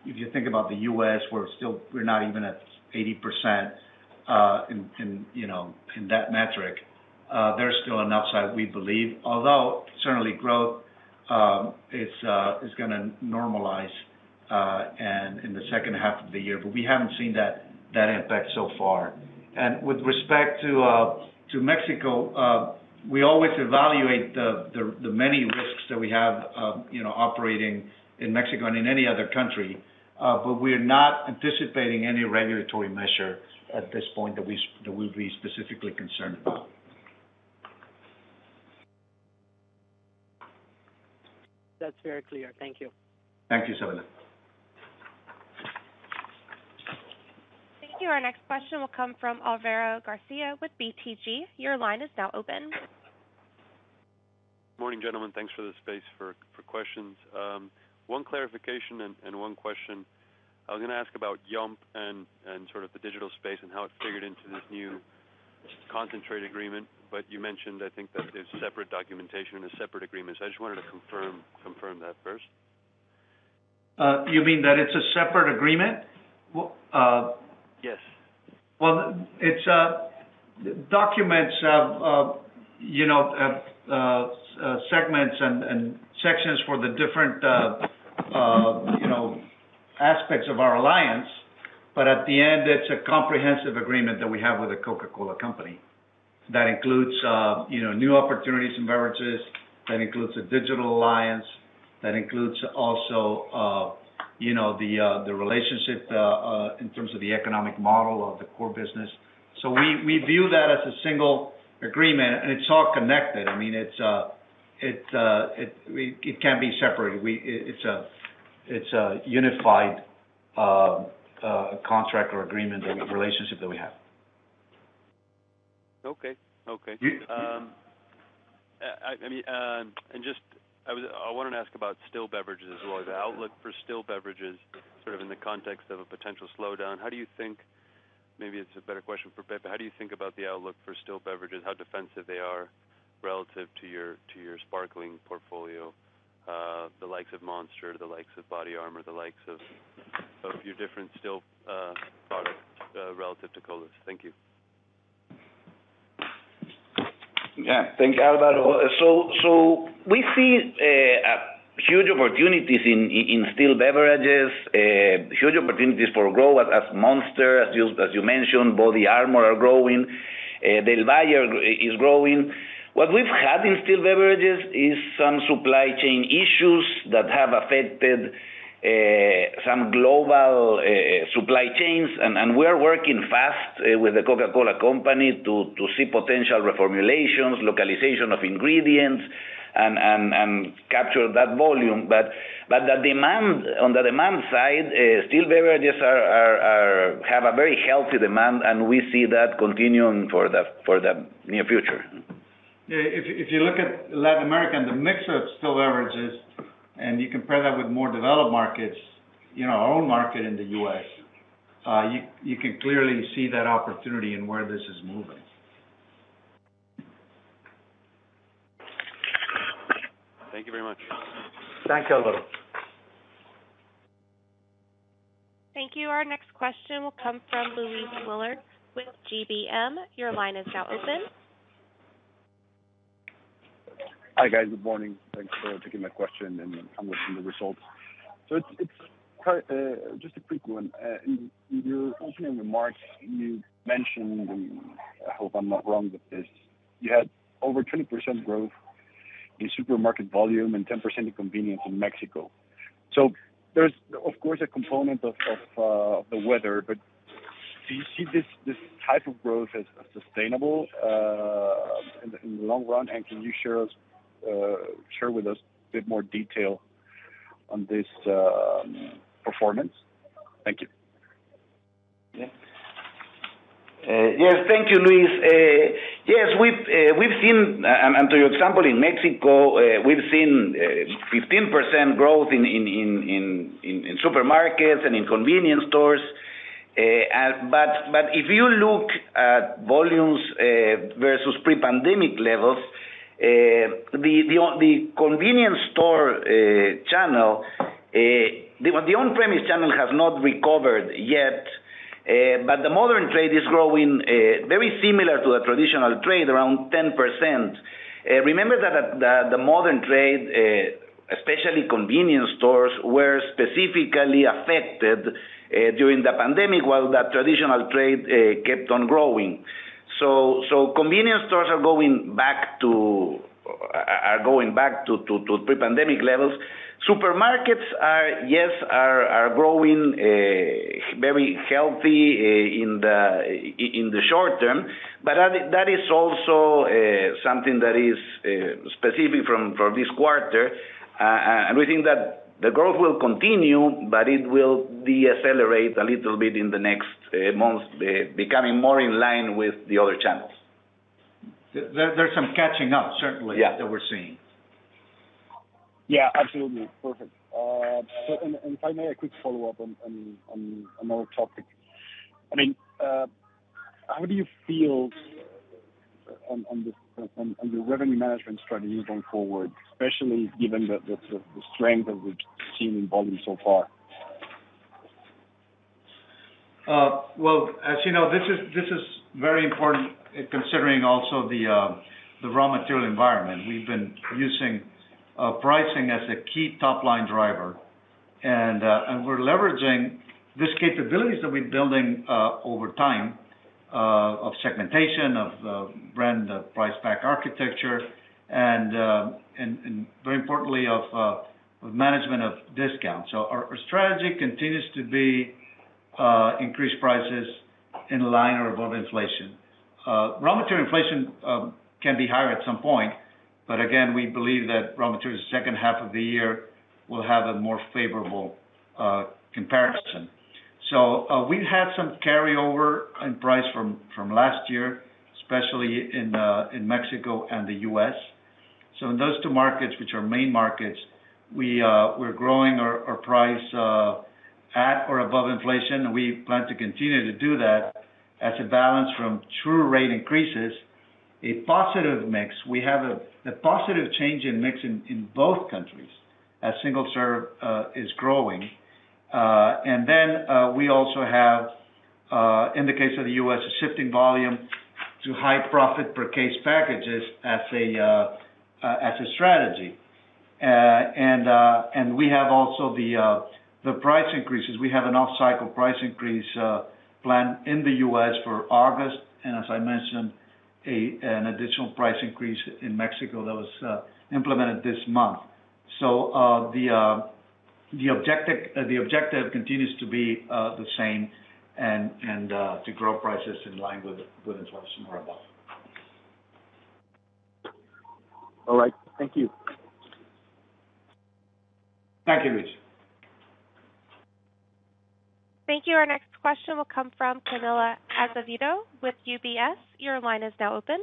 if you think about the U.S., we're still not even at 80% in, you know, in that metric. There's still an upside we believe, although certainly growth is gonna normalize and in the second half of the year. We haven't seen that impact so far. With respect to Mexico, we always evaluate the many risks that we have, you know, operating in Mexico and in any other country. We're not anticipating any regulatory measure at this point that we'll be specifically concerned about. That's very clear. Thank you. Thank you, Isabella. Thank you. Our next question will come from Alvaro Garcia with BTG. Your line is now open. Morning, gentlemen. Thanks for the space for questions. One clarification and one question. I was gonna ask about Yomp! and sort of the digital space and how it figured into this new concentrate agreement. You mentioned, I think, that there's separate documentation and separate agreements. I just wanted to confirm that first. You mean that it's a separate agreement? Well, Yes. Well, documents have you know segments and sections for the different you know aspects of our alliance. At the end, it's a comprehensive agreement that we have with The Coca-Cola Company. That includes you know new opportunities in beverages, that includes a digital alliance, that includes also you know the relationship in terms of the economic model of the core business. We view that as a single agreement, and it's all connected. I mean, it can't be separated. It's a unified contract or agreement or relationship that we have. Okay. Okay. Y-um. I mean, I wanted to ask about still beverages as well. The outlook for still beverages, sort of in the context of a potential slowdown. How do you think? Maybe it's a better question for Pepe. How do you think about the outlook for still beverages? How defensive they are relative to your sparkling portfolio? The likes of Monster, the likes of BODYARMOR, the likes of your different still products relative to Colas. Thank you. Yeah. Thank you, Álvaro. We see huge opportunities in still beverages, huge opportunities for growth as Monster, as you mentioned, BODYARMOR are growing. Del Valle is growing. What we've had in still beverages is some supply chain issues that have affected some global supply chains. We're working fast with the Coca-Cola Company to see potential reformulations, localization of ingredients and capture that volume. The demand on the demand side, still beverages have a very healthy demand, and we see that continuing for the near future. Yeah. If you look at Latin America and the mix of still beverages, and you compare that with more developed markets, you know, our own market in the U.S., you can clearly see that opportunity and where this is moving. Thank you very much. Thanks, Alvaro. Thank you. Our next question will come from Luis Willard with GBM. Your line is now open. Hi, guys. Good morning. Thanks for taking my question, and I'm looking at the results. It's just a quick one. In your opening remarks, you mentioned, and I hope I'm not wrong with this, you had over 20% growth in supermarket volume and 10% in convenience in Mexico. There's, of course, a component of the weather. Do you see this type of growth as sustainable in the long run? Can you share with us a bit more detail on this performance? Thank you. Yes. Thank you, Luis. Yes, we've seen. To your example, in Mexico, we've seen 15% growth in supermarkets and in convenience stores. But if you look at volumes versus pre-pandemic levels, the convenience store channel, the on-premise channel has not recovered yet, but the modern trade is growing very similar to the traditional trade, around 10%. Remember that the modern trade, especially convenience stores, were specifically affected during the pandemic, while the traditional trade kept on growing. Convenience stores are going back to pre-pandemic levels. Supermarkets are growing very healthy in the short term. That is also something that is specific for this quarter. We think that the growth will continue, but it will decelerate a little bit in the next months, becoming more in line with the other channels. There's some catching up, certainly. Yeah. that we're seeing. Yeah, absolutely. Perfect. If I may, a quick follow-up on another topic. I mean, how do you feel about the revenue management strategy going forward, especially given the strength that we've seen in volume so far? Well, as you know, this is very important, considering also the raw material environment. We've been using pricing as a key top-line driver. We're leveraging these capabilities that we're building over time of segmentation, of brand price pack architecture, and very importantly, of management of discounts. Our strategy continues to be increase prices in line or above inflation. Raw material inflation can be higher at some point, but again, we believe that raw materials the second half of the year will have a more favorable comparison. We've had some carryover in price from last year, especially in Mexico and the U.S. In those two markets, which are main markets, we're growing our price at or above inflation. We plan to continue to do that as a balance from true rate increases. A positive mix. We have a positive change in mix in both countries as single serve is growing. We also have, in the case of the U.S., shifting volume to high profit per case packages as a strategy. We have also the price increases. We have an off-cycle price increase planned in the U.S. for August, and as I mentioned, an additional price increase in Mexico that was implemented this month. The objective continues to be the same and to grow prices in line with inflation or above. All right, thank you. Thank you, Rich. Thank you. Our next question will come from Camila Azevedo with UBS. Your line is now open.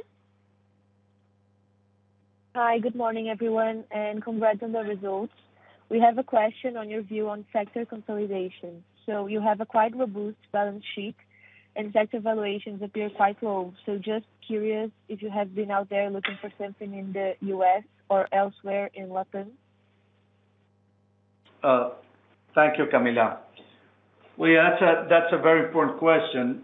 Hi, good morning, everyone, and congrats on the results. We have a question on your view on sector consolidation. You have a quite robust balance sheet and sector valuations appear quite low. Just curious if you have been out there looking for something in the U.S. or elsewhere in Latin? Thank you, Camila. Well, yeah, that's a very important question.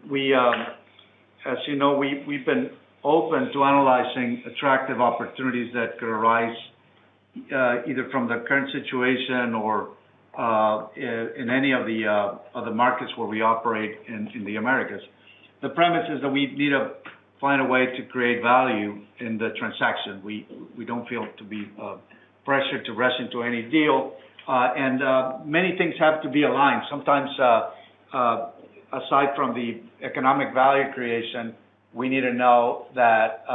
As you know, we've been open to analyzing attractive opportunities that could arise either from the current situation or in any of the markets where we operate in the Americas. The premise is that we need to find a way to create value in the transaction. We don't feel to be pressured to rush into any deal. Many things have to be aligned. Sometimes, aside from the economic value creation, we need to know that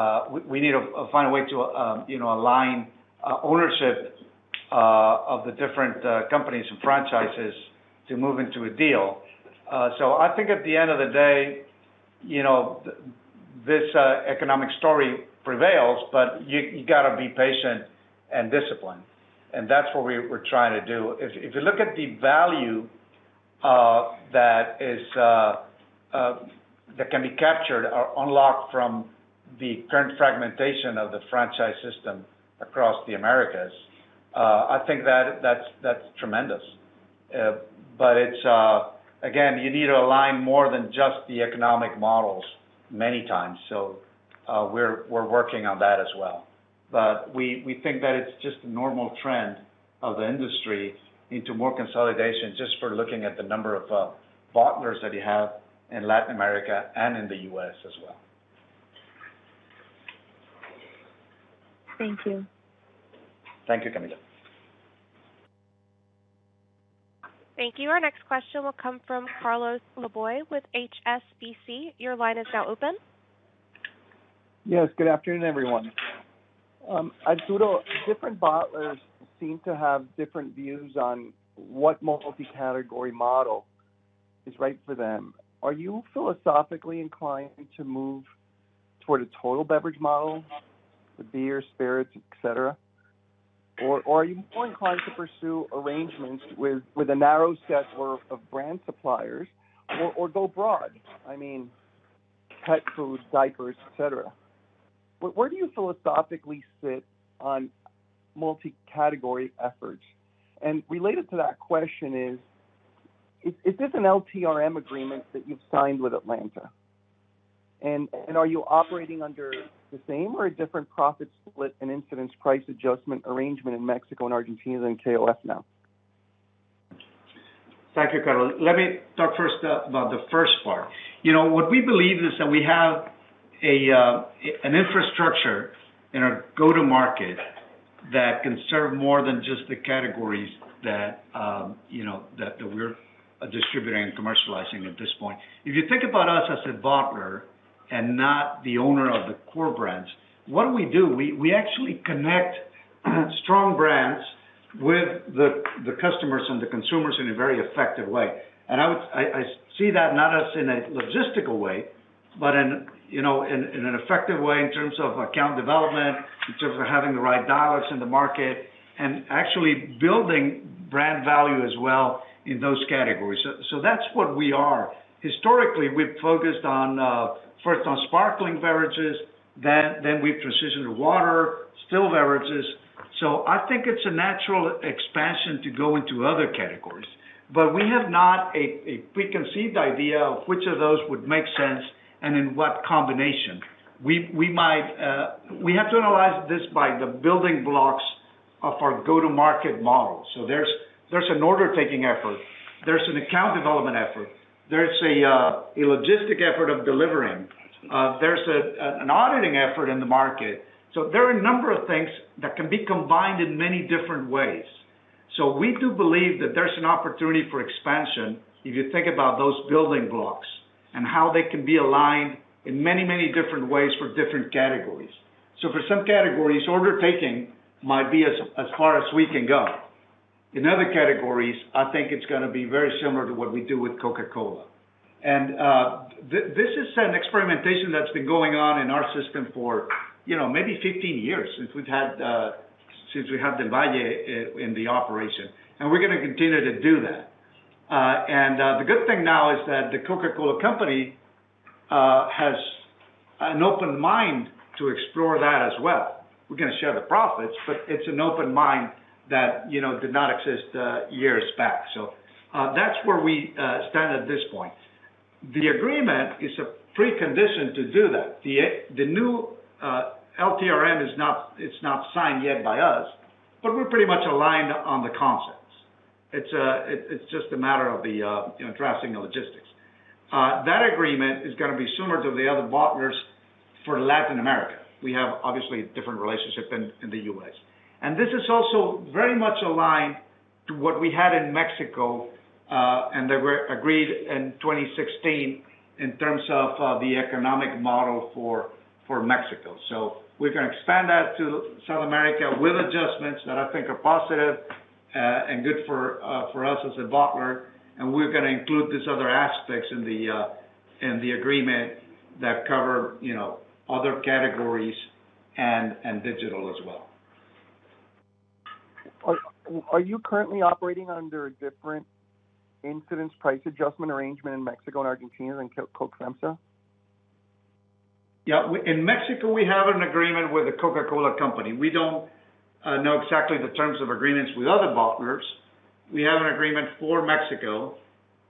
we need to find a way to, you know, align ownership of the different companies and franchises to move into a deal. I think at the end of the day, you know, this economic story prevails, but you gotta be patient and disciplined, and that's what we're trying to do. If you look at the value that can be captured or unlocked from the current fragmentation of the franchise system across the Americas, I think that's tremendous. It's again, you need to align more than just the economic models many times. We're working on that as well. We think that it's just a normal trend of the industry into more consolidation, just by looking at the number of bottlers that you have in Latin America and in the U.S. as well. Thank you. Thank you, Camila. Thank you. Our next question will come from Carlos Laboy with HSBC. Your line is now open. Yes. Good afternoon, everyone. Arturo, different bottlers seem to have different views on what multi-category model is right for them. Are you philosophically inclined to move toward a total beverage model, the beer, spirits, et cetera? Or are you more inclined to pursue arrangements with a narrow set or of brand suppliers or go broad? I mean, pet food, diapers, et cetera. Where do you philosophically sit on multi-category efforts? And related to that question is this an LTRN agreement that you've signed with Atlanta? And are you operating under the same or a different profit split and incidence price adjustment arrangement in Mexico and Argentina than KOF now? Thank you, Carlos. Let me talk first about the first part. You know, what we believe is that we have an infrastructure in our go-to-market that can serve more than just the categories that we're distributing and commercializing at this point. If you think about us as a bottler and not the owner of the core brands, what do we do? We actually connect strong brands with the customers and the consumers in a very effective way. I see that not as in a logistical way, but in an effective way in terms of account development, in terms of having the right dollars in the market, and actually building brand value as well in those categories. That's what we are. Historically, we've focused first on sparkling beverages, then we transitioned to water, still beverages. I think it's a natural expansion to go into other categories. We have not a preconceived idea of which of those would make sense and in what combination. We have to analyze this by the building blocks of our go-to-market model. There's an order-taking effort. There's an account development effort. There's a logistic effort of delivering. There's an auditing effort in the market. There are a number of things that can be combined in many different ways. We do believe that there's an opportunity for expansion if you think about those building blocks and how they can be aligned in many, many different ways for different categories. For some categories, order taking might be as far as we can go. In other categories, I think it's gonna be very similar to what we do with Coca-Cola. This is an experimentation that's been going on in our system for, you know, maybe 15 years, since we've had Del Valle in the operation, and we're gonna continue to do that. The good thing now is that The Coca-Cola Company has an open mind to explore that as well. We're gonna share the profits, but it's an open mind that, you know, did not exist years back. That's where we stand at this point. The agreement is a precondition to do that. The new LTRN is not signed yet by us, but we're pretty much aligned on the concepts. It's just a matter of the, you know, drafting the logistics. That agreement is gonna be similar to the other bottlers for Latin America. We have obviously different relationships in the U.S. This is also very much aligned to what we had in Mexico, and they were agreed in 2016 in terms of the economic model for Mexico. We're gonna expand that to South America with adjustments that I think are positive, and good for us as a bottler, and we're gonna include these other aspects in the agreement that cover, you know, other categories and digital as well. Are you currently operating under a different incidence price adjustment arrangement in Mexico and Argentina than Coca-Cola FEMSA? Yeah. In Mexico, we have an agreement with The Coca-Cola Company. We don't know exactly the terms of agreements with other bottlers. We have an agreement for Mexico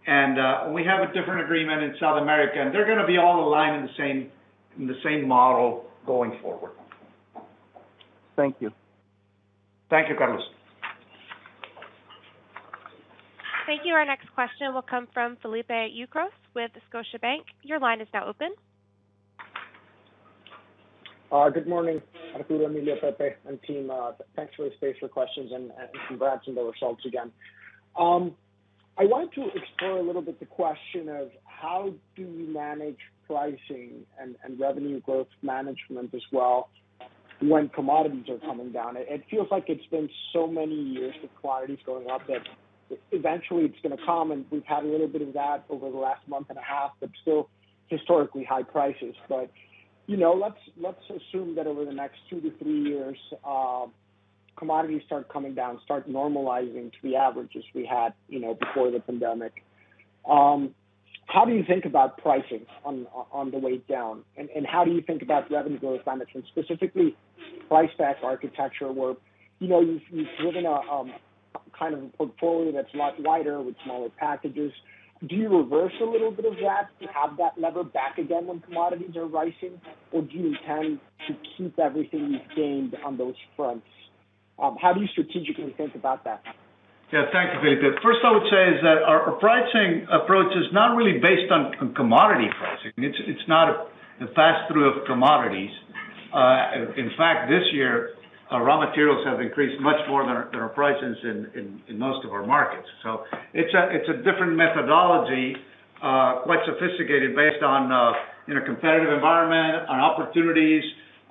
and we have a different agreement in South America, and they're gonna be all aligned in the same model going forward. Thank you. Thank you, Carlos. Thank you. Our next question will come from Felipe Ucros with Scotiabank. Your line is now open. Good morning, Arturo, Emilio, Pepe, and team. Thanks for the space for questions and congrats on the results again. I want to explore a little bit the question of how do you manage pricing and revenue growth management as well when commodities are coming down? It feels like it's been so many years of commodities going up that eventually it's gonna come, and we've had a little bit of that over the last month and a half, but still historically high prices. You know, let's assume that over the next two to three years, commodities start coming down, start normalizing to the averages we had, you know, before the pandemic. How do you think about pricing on the way down? How do you think about revenue growth management, specifically price pack architecture, where, you know, you've driven a kind of a portfolio that's a lot wider with smaller packages? Do you reverse a little bit of that to have that lever back again when commodities are rising, or do you tend to keep everything you've gained on those fronts? How do you strategically think about that? Yeah. Thank you, Felipe. First, I would say is that our pricing approach is not really based on commodity pricing. It's not a pass-through of commodities. In fact, this year, our raw materials have increased much more than our prices in most of our markets. So it's a different methodology, quite sophisticated based on, you know, competitive environment, on opportunities,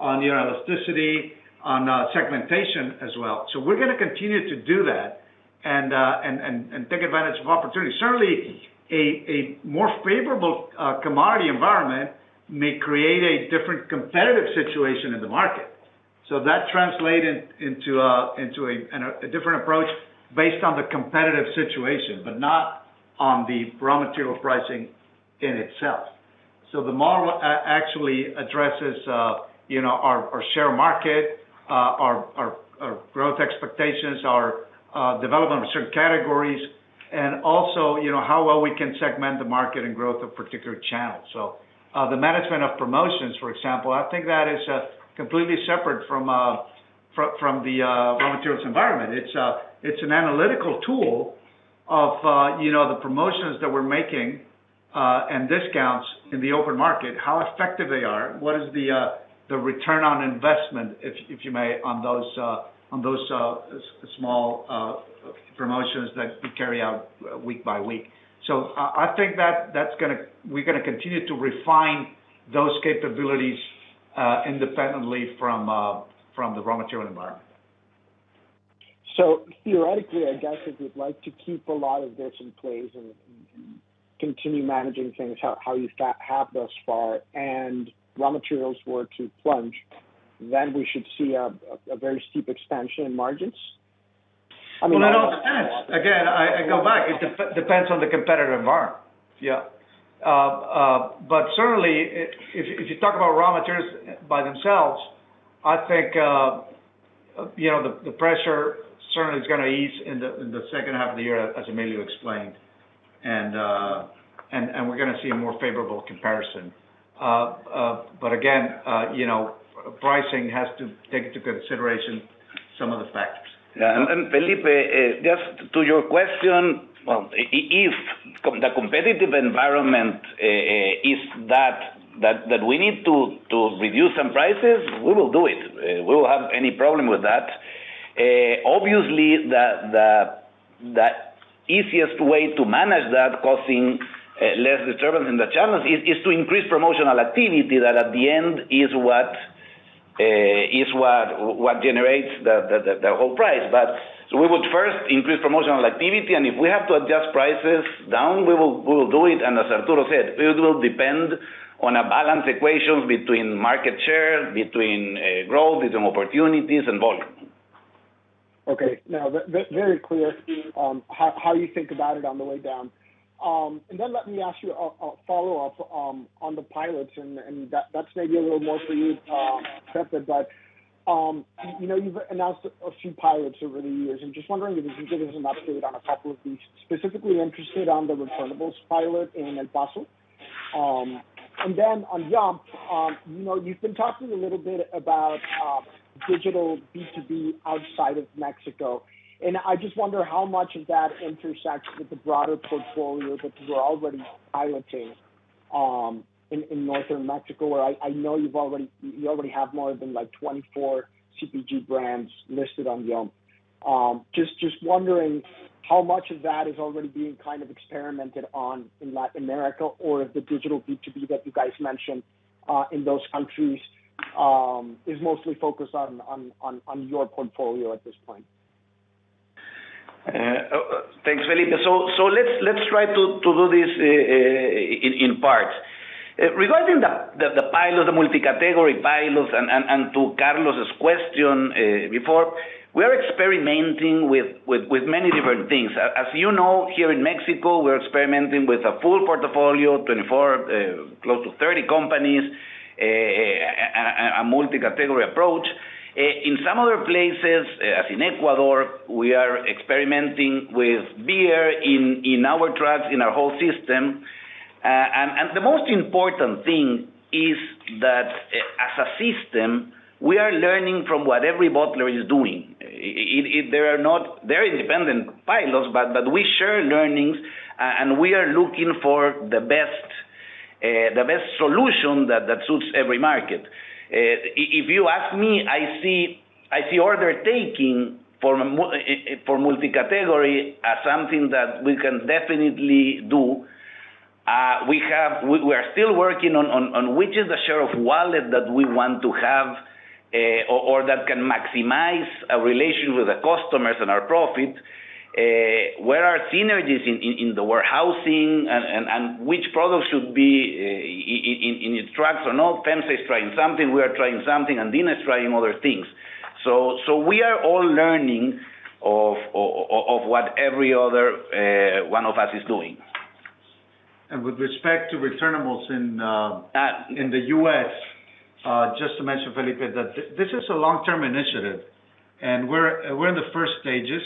on, you know, elasticity, on segmentation as well. So we're gonna continue to do that and take advantage of opportunities. Certainly, a more favorable commodity environment may create a different competitive situation in the market. So that translates into a different approach based on the competitive situation, but not on the raw material pricing in itself. The model actually addresses, you know, our share market, our growth expectations, our development of certain categories, and also, you know, how well we can segment the market and growth of particular channels. The management of promotions, for example, I think that is completely separate from the raw materials environment. It's an analytical tool of, you know, the promotions that we're making and discounts in the open market, how effective they are, what is the return on investment, if you may, on those small promotions that we carry out week by week. I think that we're gonna continue to refine those capabilities, independently from the raw material environment. Theoretically, I guess, if you'd like to keep a lot of this in place and continue managing things how you have thus far, and raw materials were to plunge, then we should see a very steep expansion in margins? I mean, I know. Well, it all depends. Again, I go back. It depends on the competitive environment. Yeah. Certainly, if you talk about raw materials by themselves, I think, you know, the pressure certainly is gonna ease in the second half of the year as Emilio explained, and we're gonna see a more favorable comparison. Again, you know, pricing has to take into consideration some of the factors. Yeah, Felipe, just to your question, well, if the competitive environment is that we need to reduce some prices, we will do it. We won't have any problem with that. Obviously, the easiest way to manage that, causing less disturbance in the channels, is to increase promotional activity that at the end is what generates the lower price. We would first increase promotional activity, and if we have to adjust prices down, we will do it. As Arturo said, it will depend on a balanced equation between market share, growth, opportunities and volume. Okay. Now, very clear how you think about it on the way down. Let me ask you a follow-up on the pilots and that's maybe a little more for you, Pepe. You know, you've announced a few pilots over the years. I'm just wondering if you can give us an update on a couple of these, specifically interested in the returnables pilot in El Paso. On Yomp!, you know, you've been talking a little bit about digital B2B outside of Mexico, and I just wonder how much of that intersects with the broader portfolio that you're already piloting in northern Mexico, where I know you already have more than, like, 24 CPG brands listed on Yomp!. Just wondering how much of that is already being kind of experimented on in Latin America or if the digital B2B that you guys mentioned in those countries is mostly focused on your portfolio at this point. Thanks, Felipe. Let's try to do this in parts. Regarding the pilot, the multi-category pilots and to Carlos's question, before, we are experimenting with many different things. As you know, here in Mexico, we're experimenting with a full portfolio, 24, close to 30 companies, a multi-category approach. In some other places, as in Ecuador, we are experimenting with beer in our trucks, in our whole system. The most important thing is that, as a system, we are learning from what every bottler is doing. They're independent pilots, but we share learnings, and we are looking for the best solution that suits every market. If you ask me, I see order taking for multi-category as something that we can definitely do. We are still working on which is the share of wallet that we want to have, or that can maximize our relationship with the customers and our profit. Where are synergies in the warehousing and which products should be in trucks or not. FEMSA is trying something, we are trying something, and Andina is trying other things. We are all learning of what every other one of us is doing. With respect to returnables in the U.S., just to mention, Felipe, that this is a long-term initiative, and we're in the first stages.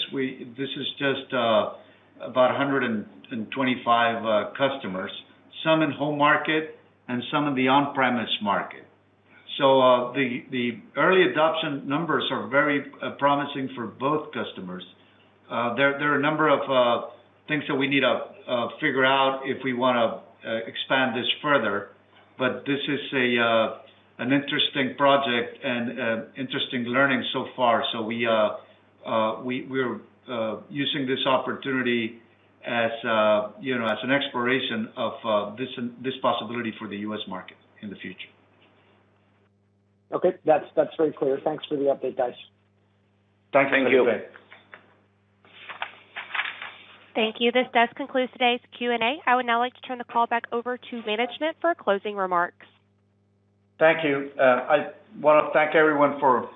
This is just about 125 customers, some in home market and some in the on-premise market. The early adoption numbers are very promising for both customers. There are a number of things that we need to figure out if we wanna expand this further, but this is an interesting project and interesting learning so far. We're using this opportunity as, you know, as an exploration of this possibility for the U.S. market in the future. Okay. That's very clear. Thanks for the update, guys. Thanks, Felipe. Thank you. Thank you. This does conclude today's Q&A. I would now like to turn the call back over to management for closing remarks. Thank you. I wanna thank everyone for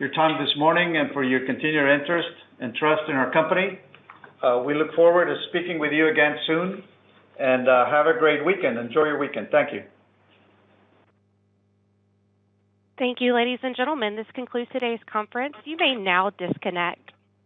your time this morning and for your continued interest and trust in our company. We look forward to speaking with you again soon, and have a great weekend. Enjoy your weekend. Thank you. Thank you, ladies and gentlemen. This concludes today's conference. You may now disconnect.